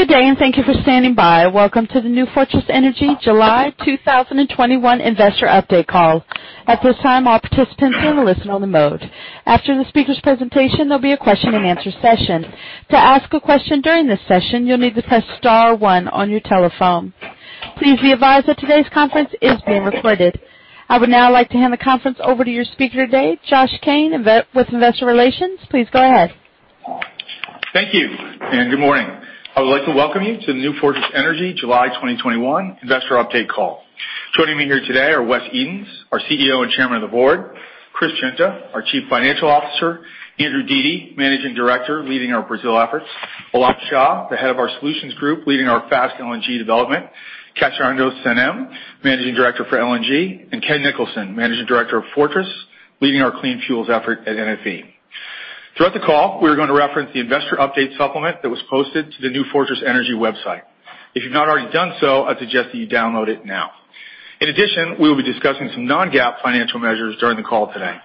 Good day, and thank you for standing by. Welcome to the New Fortress Energy July 2021 Investor Update Call. At this time, all participants are in the listen-only mode. After the speaker's presentation, there'll be a question-and-answer session. To ask a question during this session, you'll need to press star one on your telephone. Please be advised that today's conference is being recorded. I would now like to hand the conference over to your speaker today, Josh Cain, with Investor Relations. Please go ahead. Thank you, and good morning. I would like to welcome you to the New Fortress Energy July 2021 Investor Update Call. Joining me here today are Wes Edens, our CEO and Chairman of the Board; Chris Guinta, our Chief Financial Officer; Andrew Dete, Managing Director leading our Brazil efforts; Alok Shah, the head of our Solutions Group leading our Fast LNG development; Cameron MacDougall, LNG, Managing Director for LNG; and Ken Nicholson, Managing Director of Fortress, leading our clean fuels effort at NFE. Throughout the call, we are going to reference the Investor Update Supplement that was posted to the New Fortress Energy website. If you've not already done so, I suggest that you download it now. In addition, we will be discussing some non-GAAP financial measures during the call today.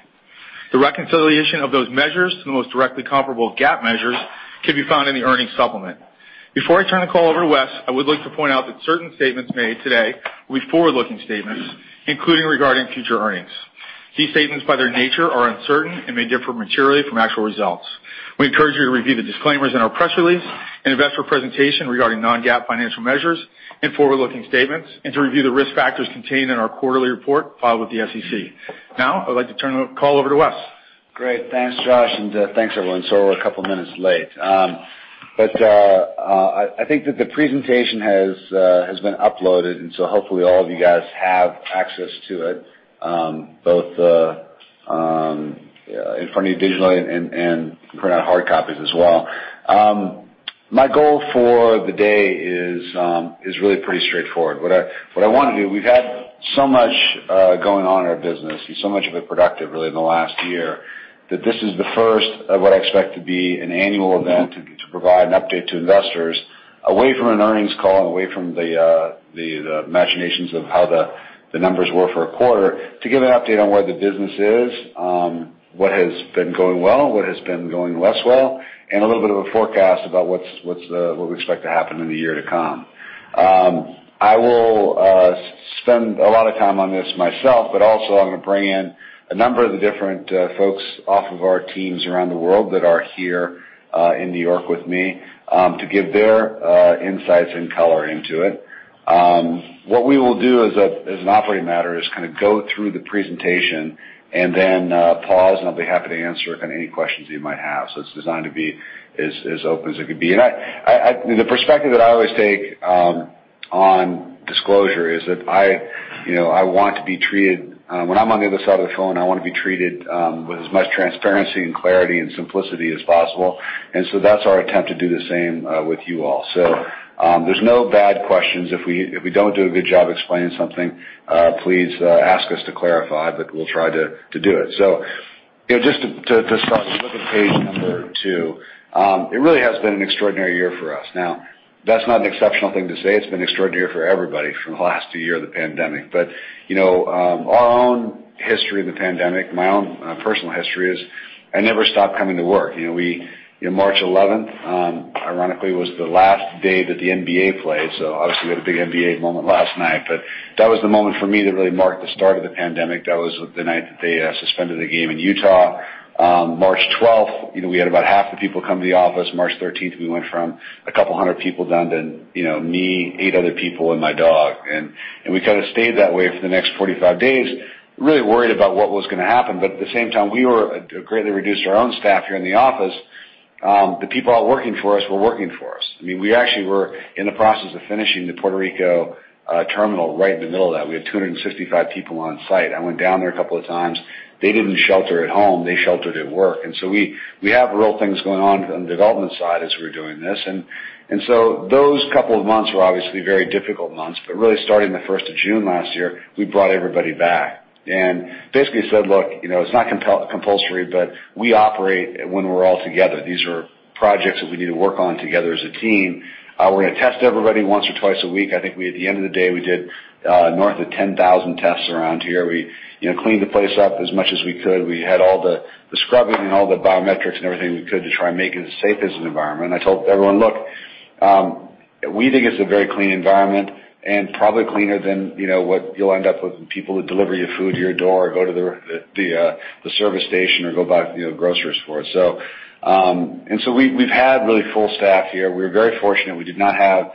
The reconciliation of those measures to the most directly comparable GAAP measures can be found in the earnings supplement. Before I turn the call over to Wes, I would like to point out that certain statements made today will be forward-looking statements, including regarding future earnings. These statements, by their nature, are uncertain and may differ materially from actual results. We encourage you to review the disclaimers in our press release, an investor presentation regarding non-GAAP financial measures and forward-looking statements, and to review the risk factors contained in our quarterly report filed with the SEC. Now, I would like to turn the call over to Wes. Great. Thanks, Josh, and thanks, everyone. Sorry we're a couple of minutes late. But I think that the presentation has been uploaded, and so hopefully all of you guys have access to it, both in front of you digitally and printed out hard copies as well. My goal for the day is really pretty straightforward. What I want to do, we've had so much going on in our business and so much of it productive, really, in the last year, that this is the first of what I expect to be an annual event to provide an update to investors away from an earnings call and away from the imaginations of how the numbers were for a quarter, to give an update on where the business is, what has been going well, what has been going less well, and a little bit of a forecast about what we expect to happen in the year to come. I will spend a lot of time on this myself, but also I'm going to bring in a number of the different folks off of our teams around the world that are here in New York with me to give their insights and color into it. What we will do as an operating matter is kind of go through the presentation and then pause, and I'll be happy to answer any questions you might have. So it's designed to be as open as it could be. And the perspective that I always take on disclosure is that I want to be treated when I'm on the other side of the phone, I want to be treated with as much transparency and clarity and simplicity as possible. And so that's our attempt to do the same with you all. So there's no bad questions. If we don't do a good job explaining something, please ask us to clarify, but we'll try to do it. So just to start, we look at page number two. It really has been an extraordinary year for us. Now, that's not an exceptional thing to say. It's been an extraordinary year for everybody for the last year of the pandemic. But our own history in the pandemic, my own personal history, is I never stopped coming to work. March 11th, ironically, was the last day that the NBA played. So obviously, we had a big NBA moment last night, but that was the moment for me that really marked the start of the pandemic. That was the night that they suspended the game in Utah. March 12th, we had about half the people come to the office. March 13th, we went from a couple hundred people down to me, eight other people, and my dog, and we kind of stayed that way for the next 45 days, really worried about what was going to happen, but at the same time, we greatly reduced our own staff here in the office. The people out working for us were working for us. I mean, we actually were in the process of finishing the Puerto Rico terminal right in the middle of that. We had 265 people on site. I went down there a couple of times. They didn't shelter at home. They sheltered at work, and so we have real things going on the development side as we're doing this, and so those couple of months were obviously very difficult months, but really, starting the 1st of June last year, we brought everybody back and basically said, "Look, it's not compulsory, but we operate when we're all together. These are projects that we need to work on together as a team. We're going to test everybody once or twice a week." I think at the end of the day, we did north of 10,000 tests around here. We cleaned the place up as much as we could. We had all the scrubbing and all the biometrics and everything we could to try and make it as safe as an environment, and I told everyone, "Look, we think it's a very clean environment and probably cleaner than what you'll end up with when people that deliver your food to your door or go to the service station or go buy groceries for it," and so we've had really full staff here. We were very fortunate. We did not have,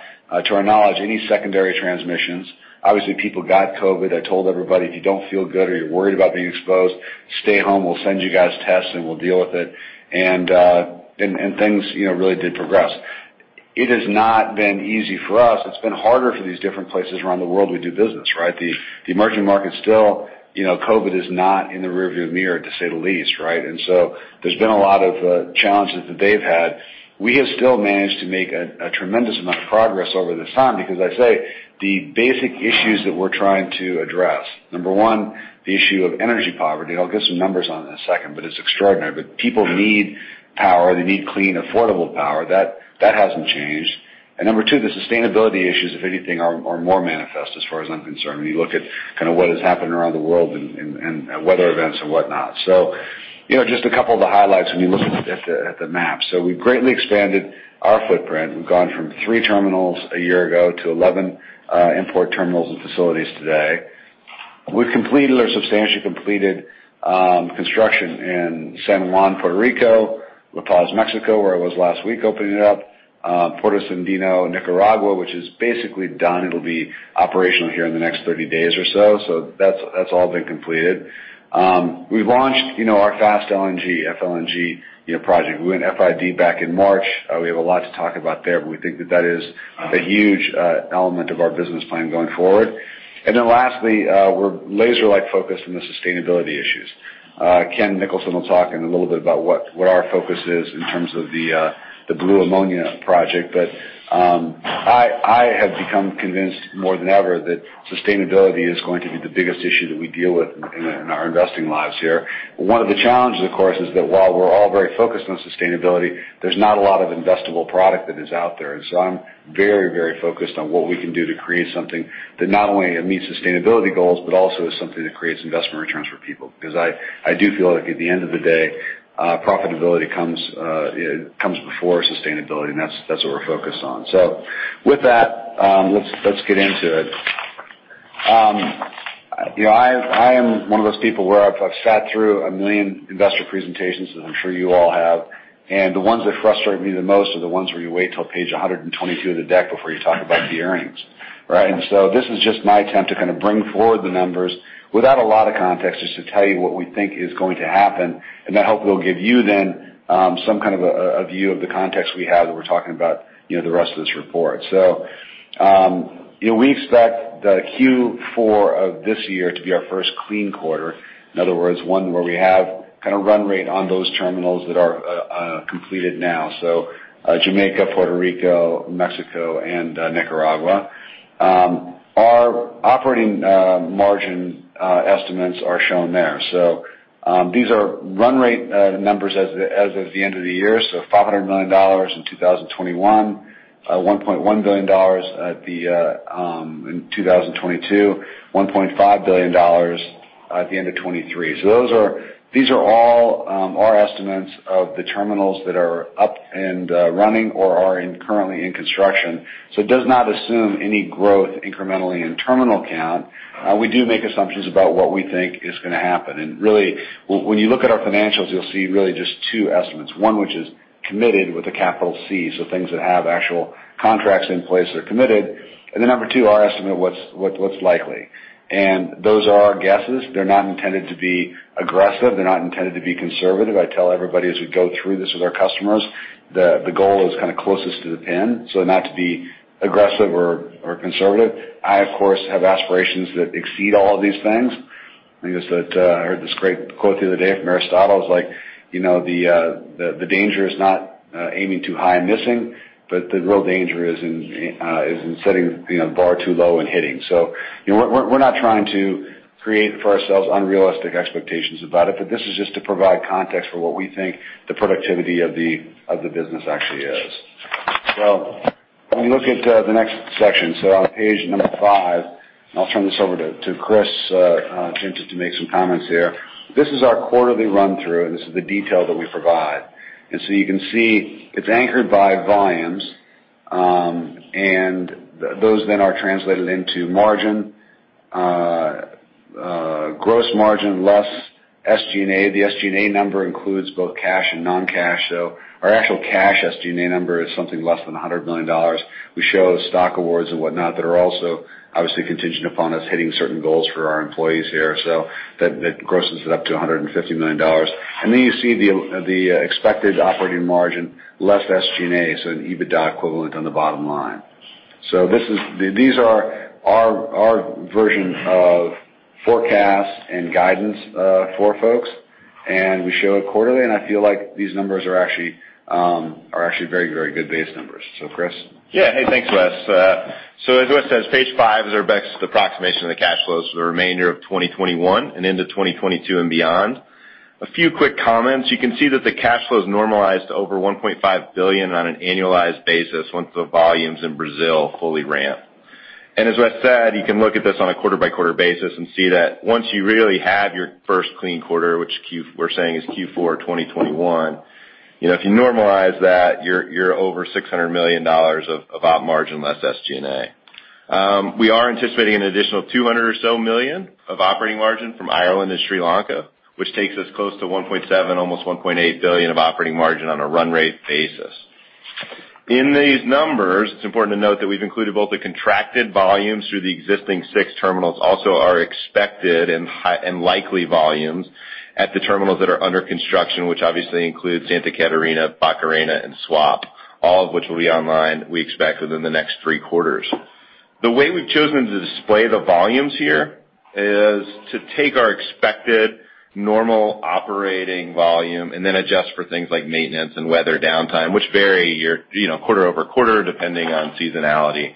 to our knowledge, any secondary transmissions. Obviously, people got COVID. I told everybody, "If you don't feel good or you're worried about being exposed, stay home. We'll send you guys tests, and we'll deal with it," and things really did progress. It has not been easy for us. It's been harder for these different places around the world we do business, right? The emerging markets still, COVID is not in the rearview mirror, to say the least, right, and so there's been a lot of challenges that they've had. We have still managed to make a tremendous amount of progress over this time because, as I say, the basic issues that we're trying to address, number one, the issue of energy poverty, and I'll get some numbers on it in a second, but it's extraordinary, but people need power. They need clean, affordable power. That hasn't changed, and number two, the sustainability issues, if anything, are more manifest as far as I'm concerned when you look at kind of what has happened around the world and weather events and whatnot, so just a couple of the highlights when you look at the map. We've greatly expanded our footprint. We've gone from three terminals a year ago to 11 import terminals and facilities today. We've completed or substantially completed construction in San Juan, Puerto Rico, La Paz, Mexico, where I was last week opening it up, Puerto Sandino, Nicaragua, which is basically done. It'll be operational here in the next 30 days or so. So that's all been completed. We've launched our Fast LNG FLNG project. We went FID back in March. We have a lot to talk about there, but we think that that is a huge element of our business plan going forward. And then lastly, we're laser-like focused on the sustainability issues. Ken Nicholson will talk in a little bit about what our focus is in terms of the blue ammonia project. I have become convinced more than ever that sustainability is going to be the biggest issue that we deal with in our investing lives here. One of the challenges, of course, is that while we're all very focused on sustainability, there's not a lot of investable product that is out there. I'm very, very focused on what we can do to create something that not only meets sustainability goals but also is something that creates investment returns for people. Because I do feel like at the end of the day, profitability comes before sustainability, and that's what we're focused on. With that, let's get into it. I am one of those people where I've sat through a million investor presentations, as I'm sure you all have. The ones that frustrate me the most are the ones where you wait till page 122 of the deck before you talk about the earnings, right? And so this is just my attempt to kind of bring forward the numbers without a lot of context, just to tell you what we think is going to happen. And I hope it'll give you then some kind of a view of the context we have that we're talking about the rest of this report. So we expect the Q4 of this year to be our first clean quarter, in other words, one where we have kind of run rate on those terminals that are completed now. So Jamaica, Puerto Rico, Mexico, and Nicaragua. Our operating margin estimates are shown there. So these are run rate numbers as of the end of the year. $500 million in 2021, $1.1 billion in 2022, $1.5 billion at the end of 2023. These are all our estimates of the terminals that are up and running or are currently in construction. It does not assume any growth incrementally in terminal count. We do make assumptions about what we think is going to happen. Really, when you look at our financials, you'll see really just two estimates. One, which is committed with a capital C, so things that have actual contracts in place that are committed. Then number two, our estimate of what's likely. Those are our guesses. They're not intended to be aggressive. They're not intended to be conservative. I tell everybody as we go through this with our customers, the goal is kind of closest to the pin, so not to be aggressive or conservative. I, of course, have aspirations that exceed all of these things. I think it's that I heard this great quote the other day from Aristotle. It's like, "The danger is not aiming too high and missing, but the real danger is in setting the bar too low and hitting." So we're not trying to create for ourselves unrealistic expectations about it, but this is just to provide context for what we think the productivity of the business actually is, so when you look at the next section, so on page number five, and I'll turn this over to Chris Guinta to make some comments here. This is our quarterly run-through, and this is the detail that we provide, and so you can see it's anchored by volumes, and those then are translated into margin, gross margin, less SG&A. The SG&A number includes both cash and non-cash. So our actual cash SG&A number is something less than $100 million. We show stock awards and whatnot that are also obviously contingent upon us hitting certain goals for our employees here. So that grosses it up to $150 million. And then you see the expected operating margin, less SG&A, so an EBITDA equivalent on the bottom line. So these are our version of forecasts and guidance for folks. And we show it quarterly, and I feel like these numbers are actually very, very good base numbers. So, Chris? Yeah. Hey, thanks, Wes. So as Wes says, page five is our best approximation of the cash flows for the remainder of 2021 and into 2022 and beyond. A few quick comments. You can see that the cash flows normalized to over $1.5 billion on an annualized basis once the volumes in Brazil fully ramp. And as Wes said, you can look at this on a quarter-by-quarter basis and see that once you really have your first clean quarter, which we're saying is Q4 2021, if you normalize that, you're over $600 million of operating margin less SG&A. We are anticipating an additional $200 million or so of operating margin from Ireland and Sri Lanka, which takes us close to $1.7 billion, almost $1.8 billion of operating margin on a run rate basis. In these numbers, it's important to note that we've included both the contracted volumes through the existing six terminals, also our expected and likely volumes at the terminals that are under construction, which obviously includes Santa Catarina, Barcarena, and Suape, all of which will be online, we expect, within the next three quarters. The way we've chosen to display the volumes here is to take our expected normal operating volume and then adjust for things like maintenance and weather downtime, which vary quarter over quarter depending on seasonality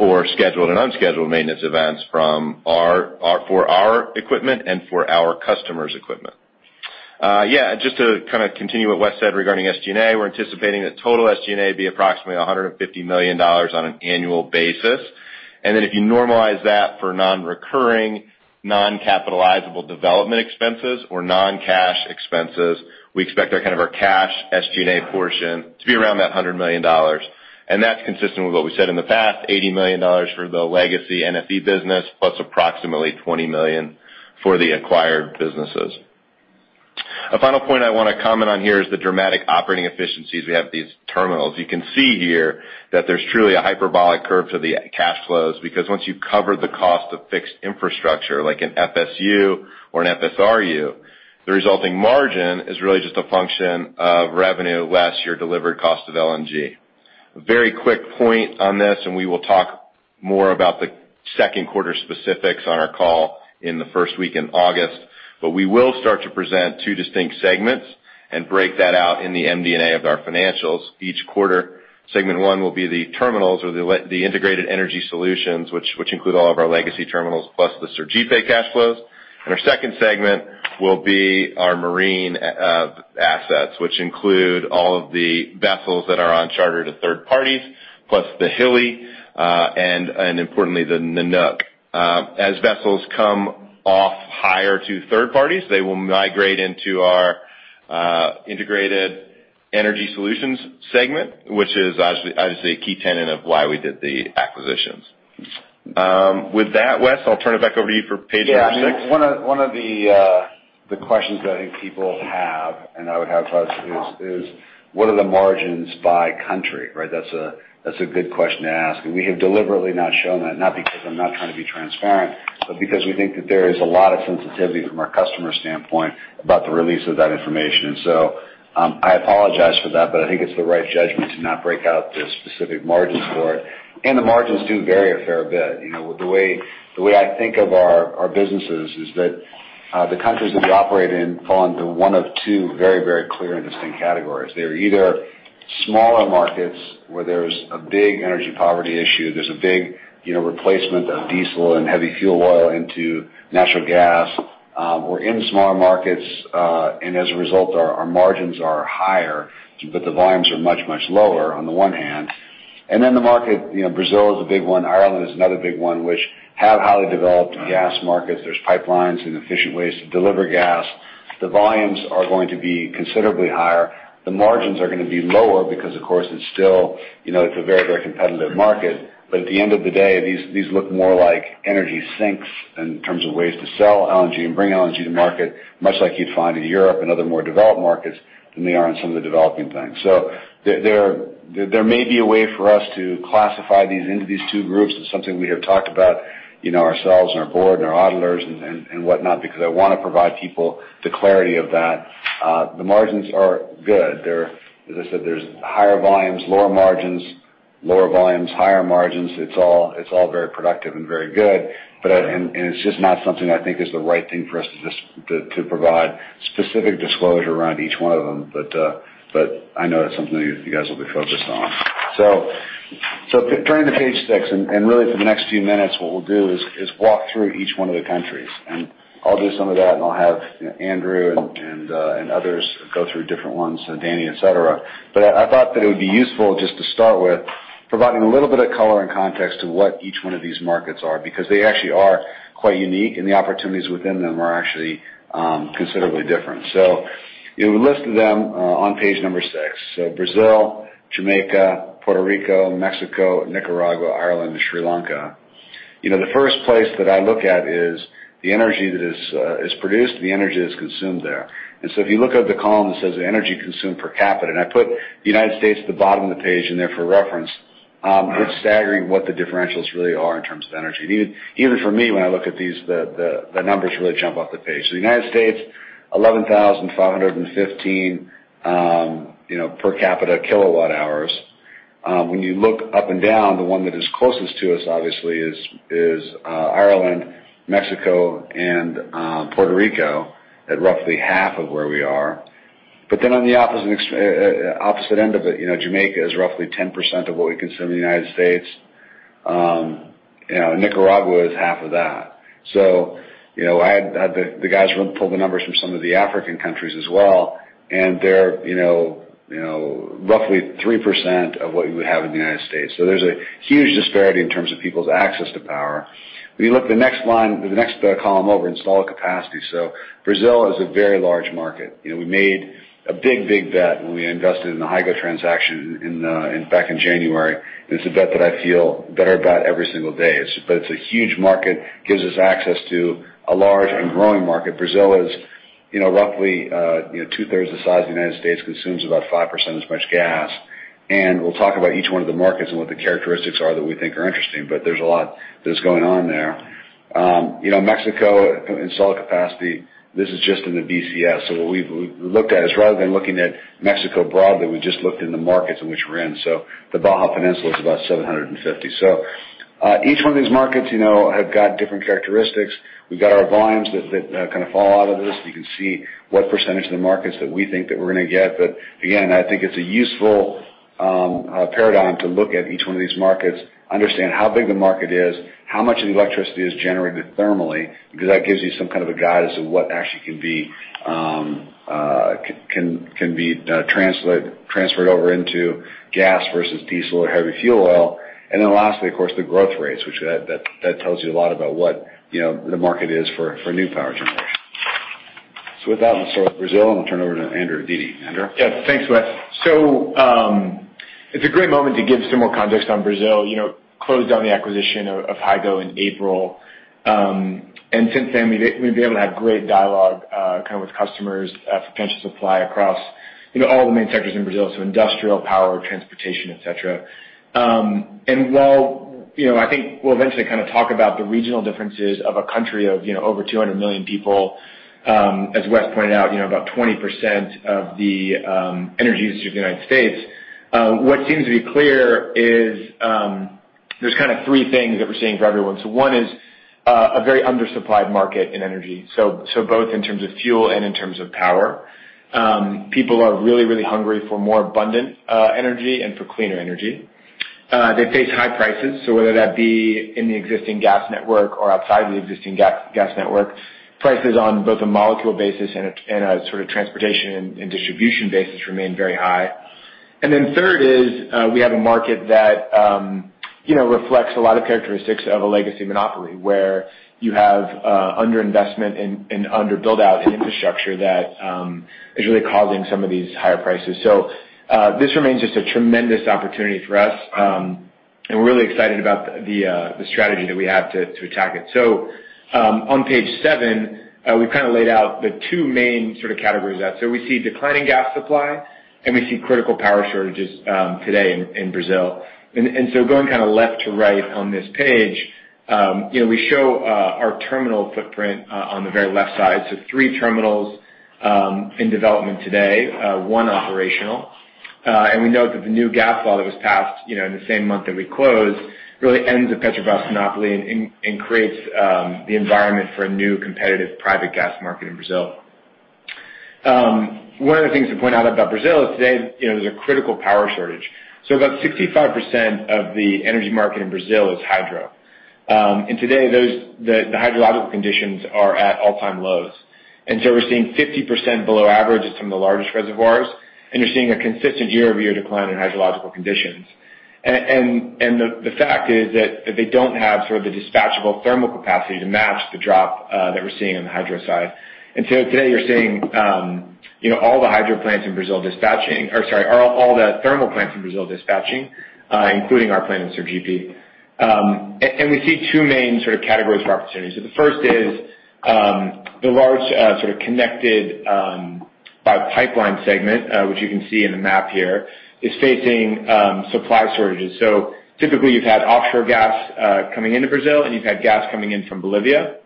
or scheduled and unscheduled maintenance events for our equipment and for our customers' equipment. Yeah. And just to kind of continue what Wes said regarding SG&A, we're anticipating that total SG&A be approximately $150 million on an annual basis. Then if you normalize that for non-recurring, non-capitalizable development expenses or non-cash expenses, we expect kind of our cash SG&A portion to be around that $100 million. And that's consistent with what we said in the past, $80 million for the legacy NFE business plus approximately $20 million for the acquired businesses. A final point I want to comment on here is the dramatic operating efficiencies we have at these terminals. You can see here that there's truly a hyperbolic curve to the cash flows because once you've covered the cost of fixed infrastructure like an FSU or an FSRU, the resulting margin is really just a function of revenue less your delivered cost of LNG. A very quick point on this, and we will talk more about the second quarter specifics on our call in the first week in August. But we will start to present two distinct segments and break that out in the MD&A of our financials. Each quarter, segment one will be the terminals or the integrated energy solutions, which include all of our legacy terminals plus the Sergipe cash flows. And our second segment will be our marine assets, which include all of the vessels that are on charter to third parties plus the Hilli and, importantly, the Nanook. As vessels come off hire to third parties, they will migrate into our integrated energy solutions segment, which is obviously a key tenet of why we did the acquisitions. With that, Wes, I'll turn it back over to you for page number six. Yeah. One of the questions that I think people have, and I would have folks, is, "What are the margins by country?" Right? That's a good question to ask. And we have deliberately not shown that, not because I'm not trying to be transparent, but because we think that there is a lot of sensitivity from our customer standpoint about the release of that information. And so I apologize for that, but I think it's the right judgment to not break out the specific margins for it. And the margins do vary a fair bit. The way I think of our businesses is that the countries that we operate in fall into one of two very, very clear and distinct categories. They are either smaller markets where there's a big energy poverty issue. There's a big replacement of diesel and heavy fuel oil into natural gas. We're in smaller markets, and as a result, our margins are higher, but the volumes are much, much lower on the one hand, and then the market, Brazil is a big one. Ireland is another big one, which have highly developed gas markets. There's pipelines and efficient ways to deliver gas. The volumes are going to be considerably higher. The margins are going to be lower because, of course, it's still a very, very competitive market, but at the end of the day, these look more like energy sinks in terms of ways to sell LNG and bring LNG to market, much like you'd find in Europe and other more developed markets than they are in some of the developing things, so there may be a way for us to classify these into these two groups. It's something we have talked about ourselves and our board and our auditors and whatnot because I want to provide people the clarity of that. The margins are good. As I said, there's higher volumes, lower margins, lower volumes, higher margins. It's all very productive and very good, and it's just not something I think is the right thing for us to provide specific disclosure around each one of them, but I know it's something that you guys will be focused on, so turning to page six, and really for the next few minutes, what we'll do is walk through each one of the countries. I'll do some of that, and I'll have Andrew and others go through different ones, Danny, etc. But I thought that it would be useful just to start with providing a little bit of color and context to what each one of these markets are because they actually are quite unique, and the opportunities within them are actually considerably different. So we listed them on page number six. So Brazil, Jamaica, Puerto Rico, Mexico, Nicaragua, Ireland, and Sri Lanka. The first place that I look at is the energy that is produced, the energy that is consumed there. And so if you look at the column that says energy consumed per capita, and I put the United States at the bottom of the page in there for reference, it's staggering what the differentials really are in terms of energy. And even for me, when I look at these, the numbers really jump off the page. So the United States, 11,515 per capita kilowatt hours. When you look up and down, the one that is closest to us, obviously, is Ireland, Mexico, and Puerto Rico at roughly half of where we are. But then on the opposite end of it, Jamaica is roughly 10% of what we consume in the United States. Nicaragua is half of that. So I had the guys pull the numbers from some of the African countries as well, and they're roughly 3% of what you would have in the United States. So there's a huge disparity in terms of people's access to power. When you look at the next column over, installed capacity. So Brazil is a very large market. We made a big, big bet when we invested in the Hygo transaction back in January, and it's a bet that I feel better about every single day, but it's a huge market. It gives us access to a large and growing market. Brazil is roughly two-thirds the size of the United States, consumes about 5% as much gas. We'll talk about each one of the markets and what the characteristics are that we think are interesting, but there's a lot that's going on there. Mexico, installed capacity, this is just in the BCS. What we've looked at is, rather than looking at Mexico broadly, we just looked in the markets in which we're in. The Baja Peninsula is about 750. Each one of these markets have got different characteristics. We've got our volumes that kind of fall out of this. You can see what percentage of the markets that we think that we're going to get. But again, I think it's a useful paradigm to look at each one of these markets, understand how big the market is, how much of the electricity is generated thermally, because that gives you some kind of a guide as to what actually can be transferred over into gas versus diesel or heavy fuel oil. And then lastly, of course, the growth rates, which tells you a lot about what the market is for new power generation. So with that, I'll start with Brazil, and I'll turn it over to Andrew Dete. Andrew? Yeah. Thanks, Wes. So it's a great moment to give some more context on Brazil. Closed down the acquisition of Hygo in April. And since then, we've been able to have great dialogue kind of with customers for potential supply across all the main sectors in Brazil, so industrial, power, transportation, etc. And while I think we'll eventually kind of talk about the regional differences of a country of over 200 million people, as Wes pointed out, about 20% of the energy usage of the United States, what seems to be clear is there's kind of three things that we're seeing for everyone. So one is a very undersupplied market in energy, so both in terms of fuel and in terms of power. People are really, really hungry for more abundant energy and for cleaner energy. They face high prices. So whether that be in the existing gas network or outside of the existing gas network, prices on both a molecule basis and a sort of transportation and distribution basis remain very high. And then third is we have a market that reflects a lot of characteristics of a legacy monopoly where you have underinvestment and underbuild-out in infrastructure that is really causing some of these higher prices. So this remains just a tremendous opportunity for us, and we're really excited about the strategy that we have to attack it. So on page seven, we've kind of laid out the two main sort of categories of that. So we see declining gas supply, and we see critical power shortages today in Brazil. And so going kind of left to right on this page, we show our terminal footprint on the very left side. So three terminals in development today, one operational. And we note that the new gas law that was passed in the same month that we closed really ends the Petrobras monopoly and creates the environment for a new competitive private gas market in Brazil. One of the things to point out about Brazil is today there's a critical power shortage. So about 65% of the energy market in Brazil is hydro. And today, the hydrological conditions are at all-time lows. And so we're seeing 50% below average at some of the largest reservoirs, and you're seeing a consistent year-over-year decline in hydrological conditions. And the fact is that they don't have sort of the dispatchable thermal capacity to match the drop that we're seeing on the hydro side. And so today, you're seeing all the hydro plants in Brazil dispatching or, sorry, all the thermal plants in Brazil dispatching, including our plant in Sergipe. And we see two main sort of categories for opportunities. So the first is the large sort of connected by pipeline segment, which you can see in the map here, is facing supply shortages. So typically, you've had offshore gas coming into Brazil, and you've had gas coming in from Bolivia.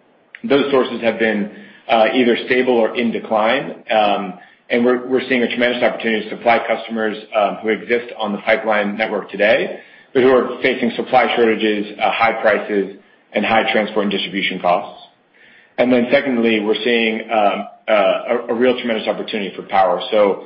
Those sources have been either stable or in decline. And we're seeing a tremendous opportunity to supply customers who exist on the pipeline network today, but who are facing supply shortages, high prices, and high transport and distribution costs. And then secondly, we're seeing a real tremendous opportunity for power. So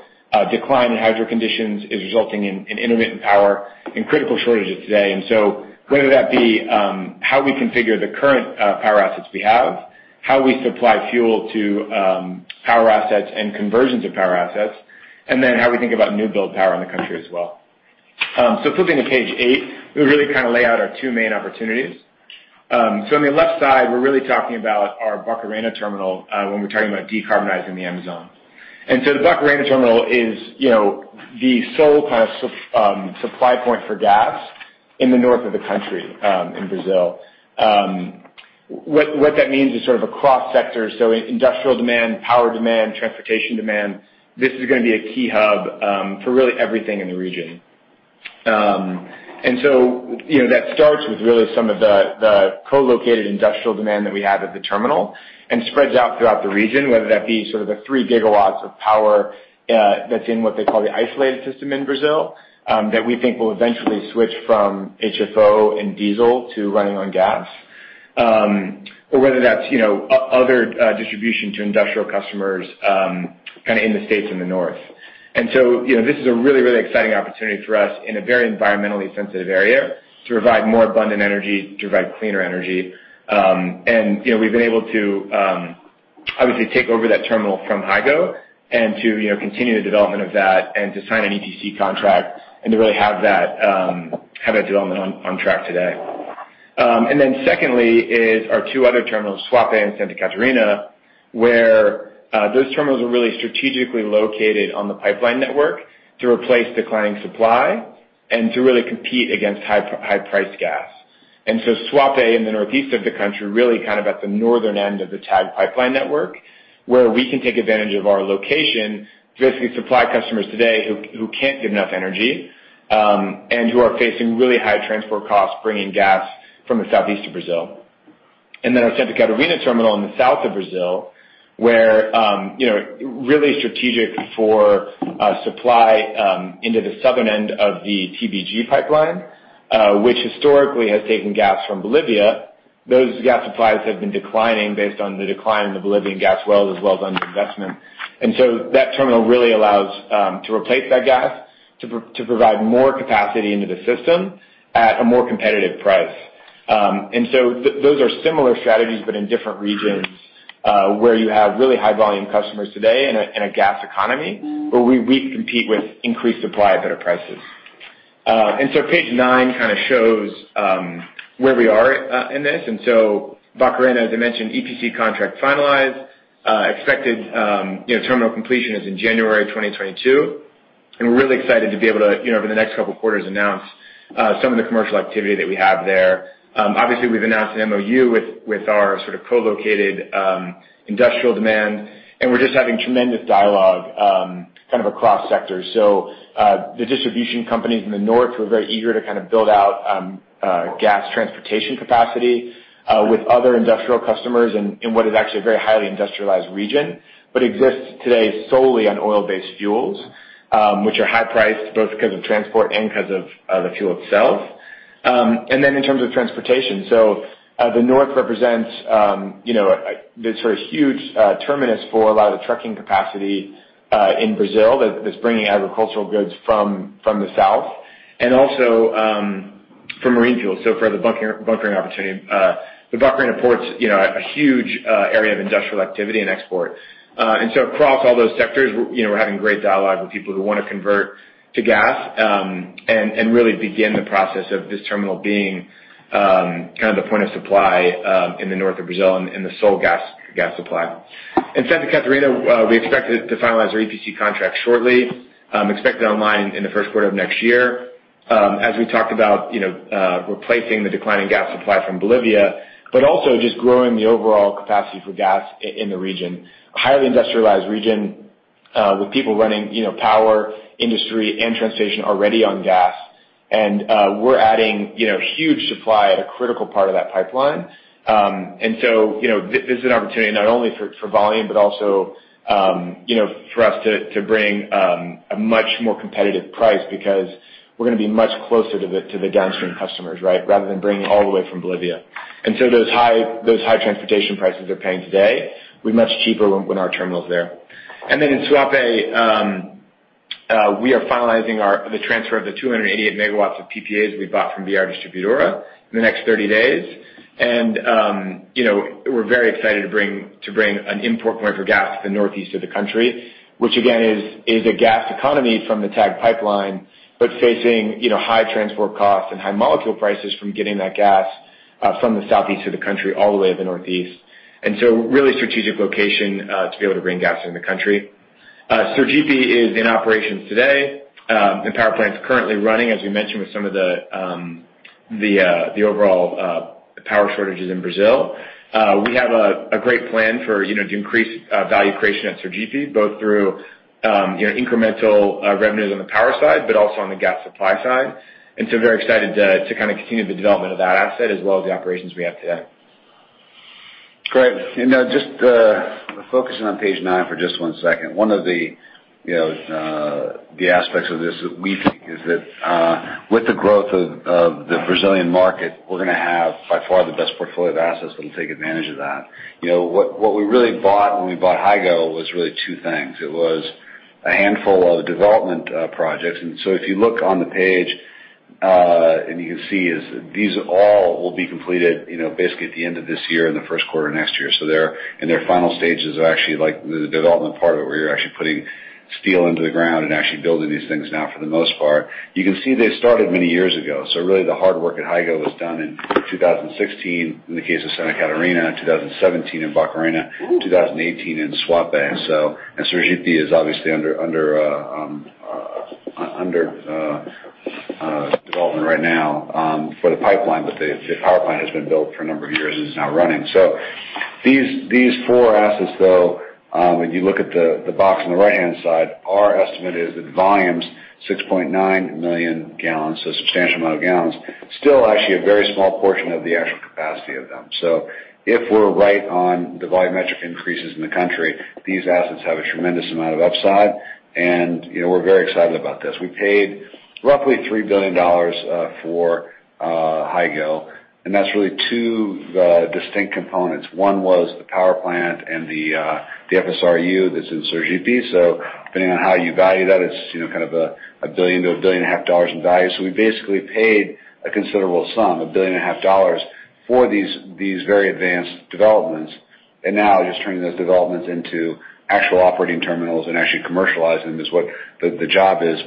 decline in hydro conditions is resulting in intermittent power and critical shortages today. And so whether that be how we configure the current power assets we have, how we supply fuel to power assets and conversions of power assets, and then how we think about new build power in the country as well. So flipping to page eight, we really kind of lay out our two main opportunities. So on the left side, we're really talking about our Barcarena terminal when we're talking about decarbonizing the Amazon. And so the Barcarena terminal is the sole kind of supply point for gas in the north of the country in Brazil. What that means is sort of across sectors. So industrial demand, power demand, transportation demand, this is going to be a key hub for really everything in the region. And so that starts with really some of the co-located industrial demand that we have at the terminal and spreads out throughout the region, whether that be sort of the three gigawatts of power that's in what they call the isolated system in Brazil that we think will eventually switch from HFO and diesel to running on gas, or whether that's other distribution to industrial customers kind of in the states in the north. And so this is a really, really exciting opportunity for us in a very environmentally sensitive area to provide more abundant energy, to provide cleaner energy. And we've been able to obviously take over that terminal from Hygo and to continue the development of that and to sign an EPC contract and to really have that development on track today. And then secondly is our two other terminals, Suape and Santa Catarina, where those terminals are really strategically located on the pipeline network to replace declining supply and to really compete against high-priced gas. And so Suape in the northeast of the country, really kind of at the northern end of the TAG pipeline network, where we can take advantage of our location to basically supply customers today who can't get enough energy and who are facing really high transport costs bringing gas from the southeast of Brazil. And then our Santa Catarina terminal in the south of Brazil, where really strategic for supply into the southern end of the TBG pipeline, which historically has taken gas from Bolivia. Those gas supplies have been declining based on the decline in the Bolivian gas wells as well as underinvestment. That terminal really allows us to replace that gas to provide more capacity into the system at a more competitive price. Those are similar strategies but in different regions where you have really high-volume customers today and a gas economy where we compete with increased supply at better prices. Page nine kind of shows where we are in this. Barcarena, as I mentioned, EPC contract finalized. Expected terminal completion is in January 2022. We're really excited to be able to, over the next couple of quarters, announce some of the commercial activity that we have there. Obviously, we've announced an MoU with our sort of co-located industrial demand, and we're just having tremendous dialogue kind of across sectors. The distribution companies in the north were very eager to kind of build out gas transportation capacity with other industrial customers in what is actually a very highly industrialized region but exists today solely on oil-based fuels, which are high-priced both because of transport and because of the fuel itself. In terms of transportation, the north represents this sort of huge terminus for a lot of the trucking capacity in Brazil that's bringing agricultural goods from the south and also for marine fuels, so for the Barcarena opportunity. The Barcarena port's a huge area of industrial activity and export. Across all those sectors, we're having great dialogue with people who want to convert to gas and really begin the process of this terminal being kind of the point of supply in the north of Brazil and the sole gas supply. Santa Catarina, we expect to finalize our EPC contract shortly, expected online in the first quarter of next year, as we talked about replacing the declining gas supply from Bolivia, but also just growing the overall capacity for gas in the region, a highly industrialized region with people running power, industry, and transportation already on gas. We're adding huge supply at a critical part of that pipeline. This is an opportunity not only for volume but also for us to bring a much more competitive price because we're going to be much closer to the downstream customers, right, rather than bringing it all the way from Bolivia. Those high transportation prices they're paying today will be much cheaper when our terminal's there. And then in Suape, we are finalizing the transfer of the 288 MW of PPAs we bought from BR Distribuidora in the next 30 days. And we're very excited to bring an import point for gas to the northeast of the country, which again is a gas economy from the TAG pipeline, but facing high transport costs and high molecule prices from getting that gas from the southeast of the country all the way to the northeast. And so really strategic location to be able to bring gas into the country. Sergipe is in operations today, and power plant's currently running, as we mentioned, with some of the overall power shortages in Brazil. We have a great plan to increase value creation at Sergipe, both through incremental revenues on the power side but also on the gas supply side. And so very excited to kind of continue the development of that asset as well as the operations we have today. Great. And just focusing on page nine for just one second, one of the aspects of this that we think is that with the growth of the Brazilian market, we're going to have by far the best portfolio of assets that'll take advantage of that. What we really bought when we bought Hygo was really two things. It was a handful of development projects. And so if you look on the page, and you can see these all will be completed basically at the end of this year and the first quarter of next year. So in their final stages are actually like the development part of it where you're actually putting steel into the ground and actually building these things now for the most part. You can see they started many years ago. So really the hard work at Hygo was done in 2016 in the case of Santa Catarina, 2017 in Barcarena, 2018 in Suape. And Sergipe is obviously under development right now for the pipeline, but the power plant has been built for a number of years and is now running. So these four assets, though, when you look at the box on the right-hand side, our estimate is that volume's 6.9 million gallons, so substantial amount of gallons, still actually a very small portion of the actual capacity of them. So if we're right on the volumetric increases in the country, these assets have a tremendous amount of upside, and we're very excited about this. We paid roughly $3 billion for Hygo, and that's really two distinct components. One was the power plant and the FSRU that's in Sergipe. Depending on how you value that, it's kind of $1 billion-$1.5 billion in value. We basically paid a considerable sum, $1.5 billion, for these very advanced developments. Now just turning those developments into actual operating terminals and actually commercializing them is what the job is.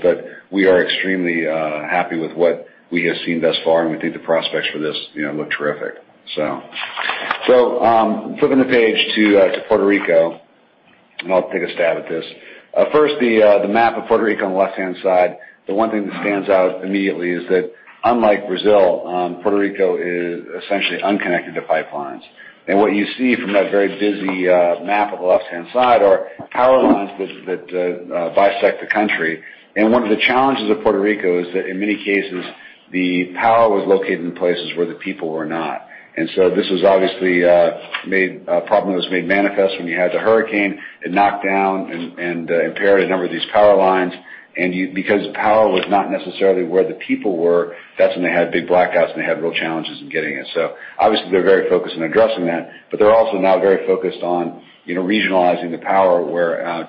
We are extremely happy with what we have seen thus far, and we think the prospects for this look terrific. Flipping the page to Puerto Rico, and I'll take a stab at this. First, the map of Puerto Rico on the left-hand side, the one thing that stands out immediately is that unlike Brazil, Puerto Rico is essentially unconnected to pipelines. What you see from that very busy map on the left-hand side are power lines that bisect the country. One of the challenges of Puerto Rico is that in many cases, the power was located in places where the people were not. And so this was obviously a problem that was made manifest when you had the hurricane. It knocked down and impaired a number of these power lines. And because power was not necessarily where the people were, that's when they had big blackouts and they had real challenges in getting it. So obviously, they're very focused on addressing that, but they're also now very focused on regionalizing the power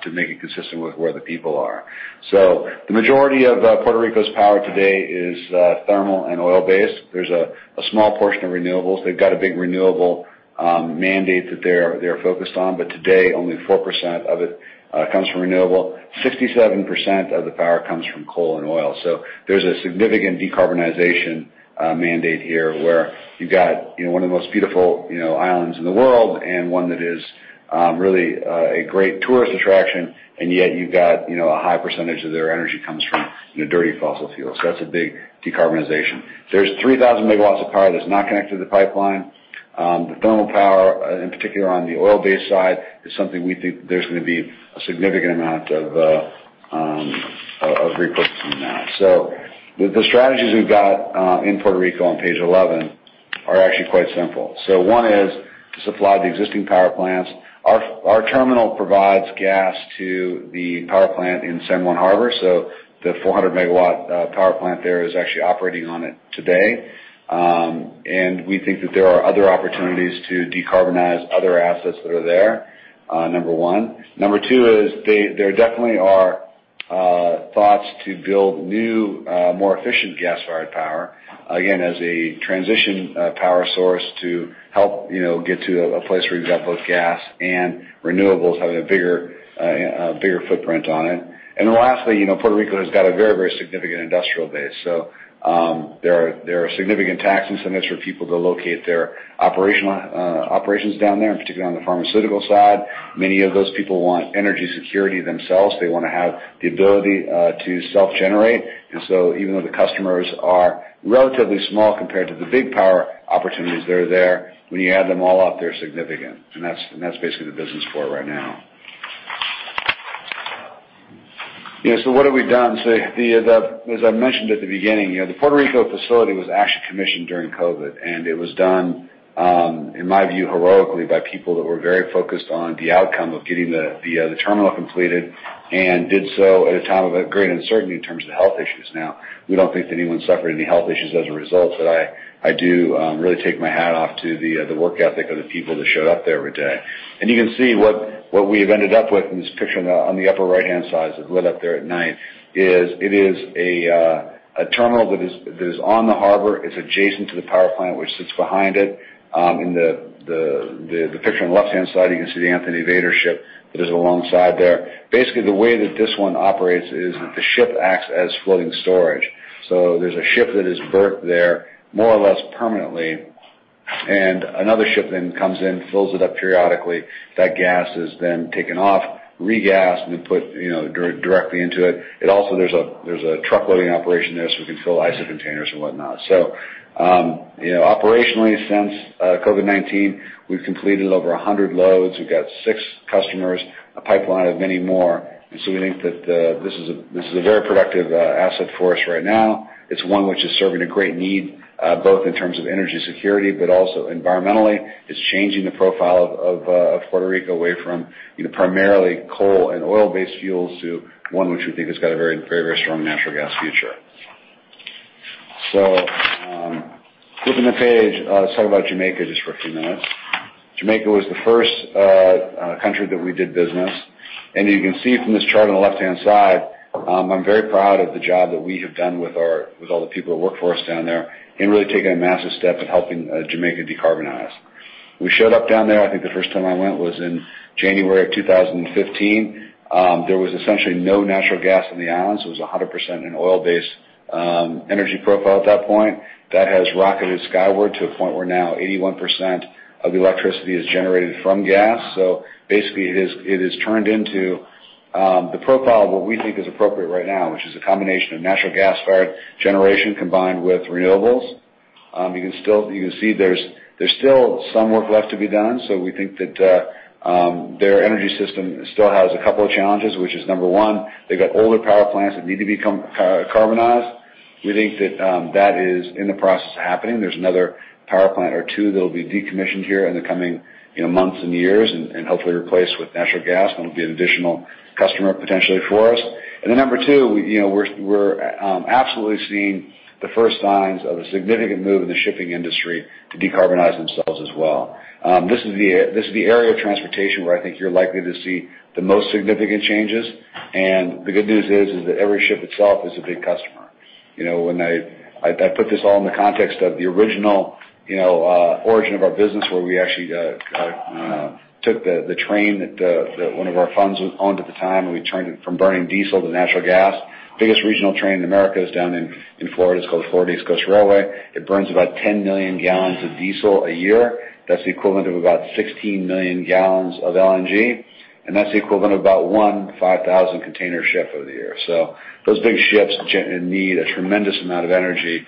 to make it consistent with where the people are. So the majority of Puerto Rico's power today is thermal and oil-based. There's a small portion of renewables. They've got a big renewable mandate that they're focused on, but today, only 4% of it comes from renewable. 67% of the power comes from coal and oil. There's a significant decarbonization mandate here where you've got one of the most beautiful islands in the world and one that is really a great tourist attraction, and yet you've got a high percentage of their energy comes from dirty fossil fuels. That's a big decarbonization. There's 3,000 MW of power that's not connected to the pipeline. The thermal power, in particular on the oil-based side, is something we think there's going to be a significant amount of repurposing now. The strategies we've got in Puerto Rico on page 11 are actually quite simple. One is to supply the existing power plants. Our terminal provides gas to the power plant in San Juan Harbor. The 400-megawatt power plant there is actually operating on it today. We think that there are other opportunities to decarbonize other assets that are there, number one. Number two is, there definitely are thoughts to build new, more efficient gas-fired power, again, as a transition power source to help get to a place where you've got both gas and renewables having a bigger footprint on it. And then lastly, Puerto Rico has got a very, very significant industrial base. So there are significant tax incentives for people to locate their operations down there, in particular on the pharmaceutical side. Many of those people want energy security themselves. They want to have the ability to self-generate. And so even though the customers are relatively small compared to the big power opportunities that are there, when you add them all up, they're significant. And that's basically the business for it right now. So what have we done? So as I mentioned at the beginning, the Puerto Rico facility was actually commissioned during COVID, and it was done, in my view, heroically by people that were very focused on the outcome of getting the terminal completed and did so at a time of great uncertainty in terms of health issues. Now, we don't think that anyone suffered any health issues as a result, but I do really take my hat off to the work ethic of the people that showed up there every day. And you can see what we have ended up with in this picture on the upper right-hand side that's lit up there at night. It is a terminal that is on the harbor. It's adjacent to the power plant which sits behind it. In the picture on the left-hand side, you can see the Anthony Veder ship that is alongside there. Basically, the way that this one operates is that the ship acts as floating storage, so there's a ship that is berthed there more or less permanently, and another ship then comes in, fills it up periodically. That gas is then taken off, regassed, and then put directly into it. Also, there's a truckloading operation there so we can fill ISO containers and whatnot, so operationally, since COVID-19, we've completed over 100 loads. We've got six customers, a pipeline of many more, and so we think that this is a very productive asset for us right now. It's one which is serving a great need both in terms of energy security but also environmentally. It's changing the profile of Puerto Rico away from primarily coal and oil-based fuels to one which we think has got a very, very strong natural gas future. So flipping the page, let's talk about Jamaica just for a few minutes. Jamaica was the first country that we did business. And you can see from this chart on the left-hand side, I'm very proud of the job that we have done with all the people that work for us down there in really taking a massive step in helping Jamaica decarbonize. We showed up down there, I think the first time I went was in January of 2015. There was essentially no natural gas on the islands. It was 100% an oil-based energy profile at that point. That has rocketed skyward to a point where now 81% of the electricity is generated from gas. So basically, it has turned into the profile of what we think is appropriate right now, which is a combination of natural gas-fired generation combined with renewables. You can see there's still some work left to be done. So we think that their energy system still has a couple of challenges, which is number one, they've got older power plants that need to be carbonized. We think that that is in the process of happening. There's another power plant or two that will be decommissioned here in the coming months and years and hopefully replaced with natural gas. That'll be an additional customer potentially for us. And then number two, we're absolutely seeing the first signs of a significant move in the shipping industry to decarbonize themselves as well. This is the area of transportation where I think you're likely to see the most significant changes. And the good news is that every ship itself is a big customer. When I put this all in the context of the original origin of our business where we actually took the train that one of our funds owned at the time, and we turned it from burning diesel to natural gas. Biggest regional train in America is down in Florida. It's called the Florida East Coast Railway. It burns about 10 million gallons of diesel a year. That's the equivalent of about 16 million gallons of LNG, and that's the equivalent of about one 5,000-container ship of the year, so those big ships need a tremendous amount of energy.